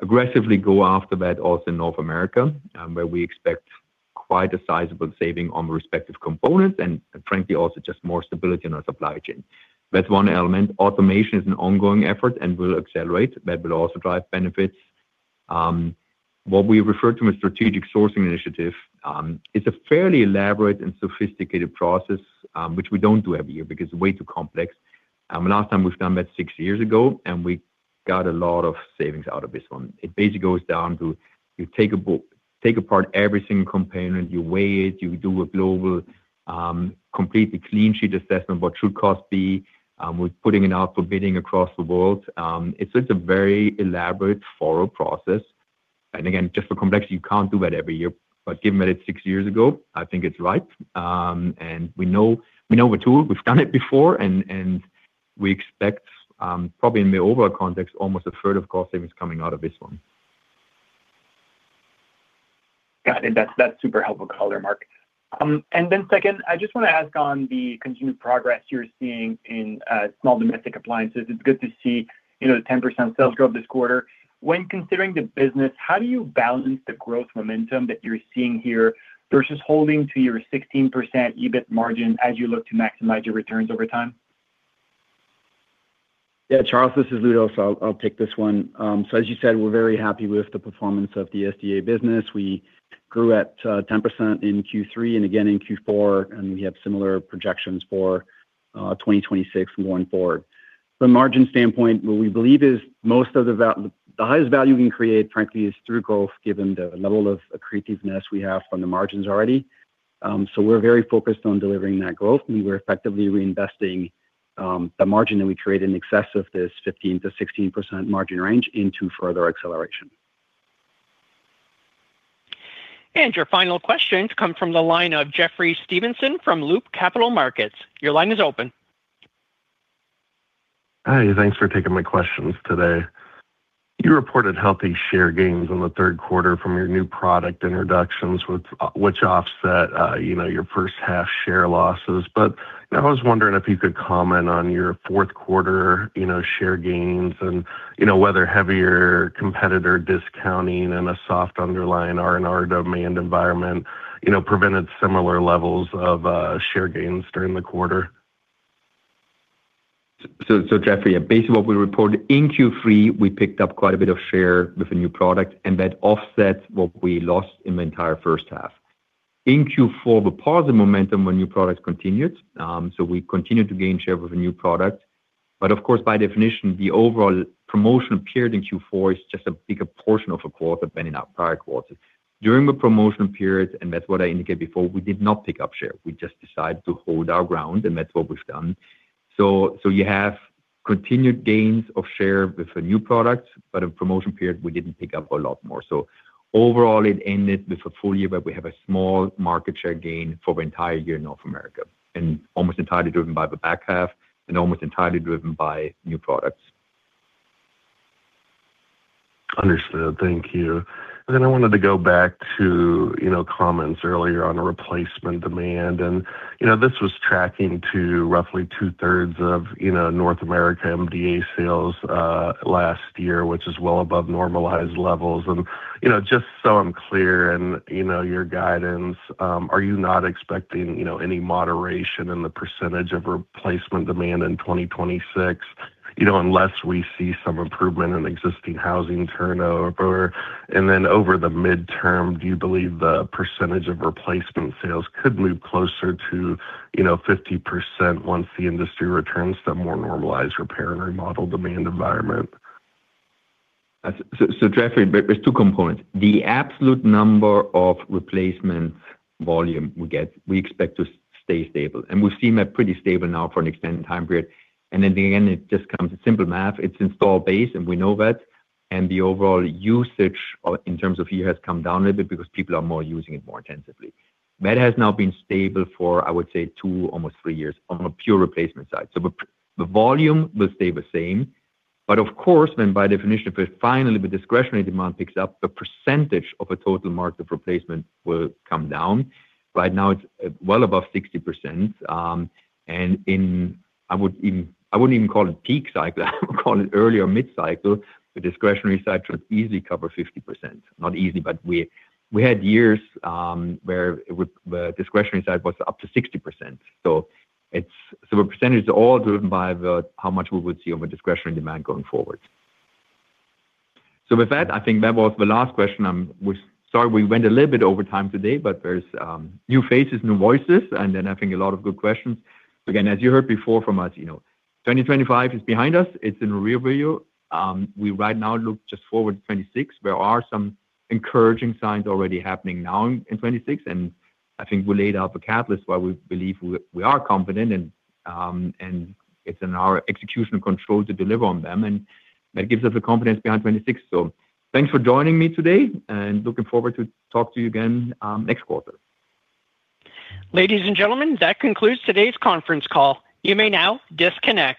aggressively go after that also in North America, where we expect quite a sizable saving on the respective components, and frankly, also just more stability in our supply chain. That's one element. Automation is an ongoing effort and will accelerate. That will also drive benefits. What we refer to as strategic sourcing initiative is a fairly elaborate and sophisticated process, which we don't do every year because it's way too complex. The last time we've done thas six years ago, and we got a lot of savings out of this one. It basically goes down to you take apart every single component, you weigh it, you do a global, completely clean sheet assessment, what should cost be, with putting it out for bidding across the world. It's just a very elaborate thorough process. And again, just for complexity, you can't do that every year, but given that it's six years ago, I think it's right. And we know, we know the tool. We've done it before, and we expect, probably in the overall context, almost 1/3 of cost savings coming out of this one. Got it. That's, that's super helpful color, Marc. And then second, I just want to ask on the continued progress you're seeing in small domestic appliances. It's good to see, you know, the 10% sales growth this quarter. When considering the business, how do you balance the growth momentum that you're seeing here versus holding to your 16% EBIT margin as you look to maximize your returns over time? Yeah, Charles, this is Ludo, so I'll take this one. So as you said, we're very happy with the performance of the SDA business. We grew at 10% in Q3 and again in Q4, and we have similar projections for 2026 going forward. From a margin standpoint, what we believe is most of the highest value we can create, frankly, is through growth, given the level of accretiveness we have from the margins already. So we're very focused on delivering that growth, and we're effectively reinvesting the margin that we create in excess of this 15%-16% margin range into further acceleration. Your final question comes from the line of Jeffrey Stevenson from Loop Capital Markets. Your line is open. Hi, thanks for taking my questions today. You reported healthy share gains in the third quarter from your new product introductions, which offset, you know, your first half share losses. But I was wondering if you could comment on your fourth quarter, you know, share gains and, you know, whether heavier competitor discounting and a soft underlying R&R demand environment, you know, prevented similar levels of share gains during the quarter? So, Jeffrey, basically, what we reported in Q3, we picked up quite a bit of share with a new product, and that offset what we lost in the entire first half. In Q4, the positive momentum on new products continued, so we continued to gain share with a new product. But of course, by definition, the overall promotion period in Q4 is just a bigger portion of a quarter than in our prior quarters. During the promotion periods, and that's what I indicated before, we did not pick up share. We just decided to hold our ground, and that's what we've done. So, you have continued gains of share with the new products, but in promotion period, we didn't pick up a lot more. Overall, it ended with a full year, but we have a small market share gain for the entire year in North America, and almost entirely driven by the back half and almost entirely driven by new products. Understood. Thank you. Then I wanted to go back to, you know, comments earlier on replacement demand, and, you know, this was tracking to roughly 2/3 of, you know, North America MDA sales, last year, which is well above normalized levels. And, you know, just so I'm clear, and, you know, your guidance, are you not expecting, you know, any moderation in the percentage of replacement demand in 2026? You know, unless we see some improvement in existing housing turnover, and then over the midterm, do you believe the percentage of replacement sales could move closer to, you know, 50% once the industry returns to a more normalized repair and remodel demand environment? So, Jeffrey, there are two components. The absolute number of replacement volume we get, we expect to stay stable, and we've seen that pretty stable now for an extended time period. And then again, it just comes to simple math. It's installed base, and we know that, and the overall usage or in terms of year has come down a little bit because people are using it more intensively. That has now been stable for, I would say, two, almost three years on a pure replacement side. So the volume will stay the same, but of course, then by definition, if finally the discretionary demand picks up, the percentage of total market replacement will come down. Right now, it's well above 60%, and I wouldn't even call it peak cycle. I would call it early or mid-cycle. The discretionary cycle is easy, cover 50%. Not easy, but we had years where it would the discretionary side was up to 60%. So it's so the percentage is all driven by the, how much we would see on the discretionary demand going forward. So with that, I think that was the last question. We're sorry, we went a little bit over time today, but there's new faces, new voices, and then I think a lot of good questions. Again, as you heard before from us, you know, 2025 is behind us. It's in rear view. We right now look just forward to 2026. There are some encouraging signs already happening now in 2026, and I think we laid out the catalyst why we believe we are confident and it's in our execution control to deliver on them, and that gives us the confidence beyond 2026. So thanks for joining me today, and looking forward to talk to you again, next quarter. Ladies and gentlemen, that concludes today's conference call. You may now disconnect.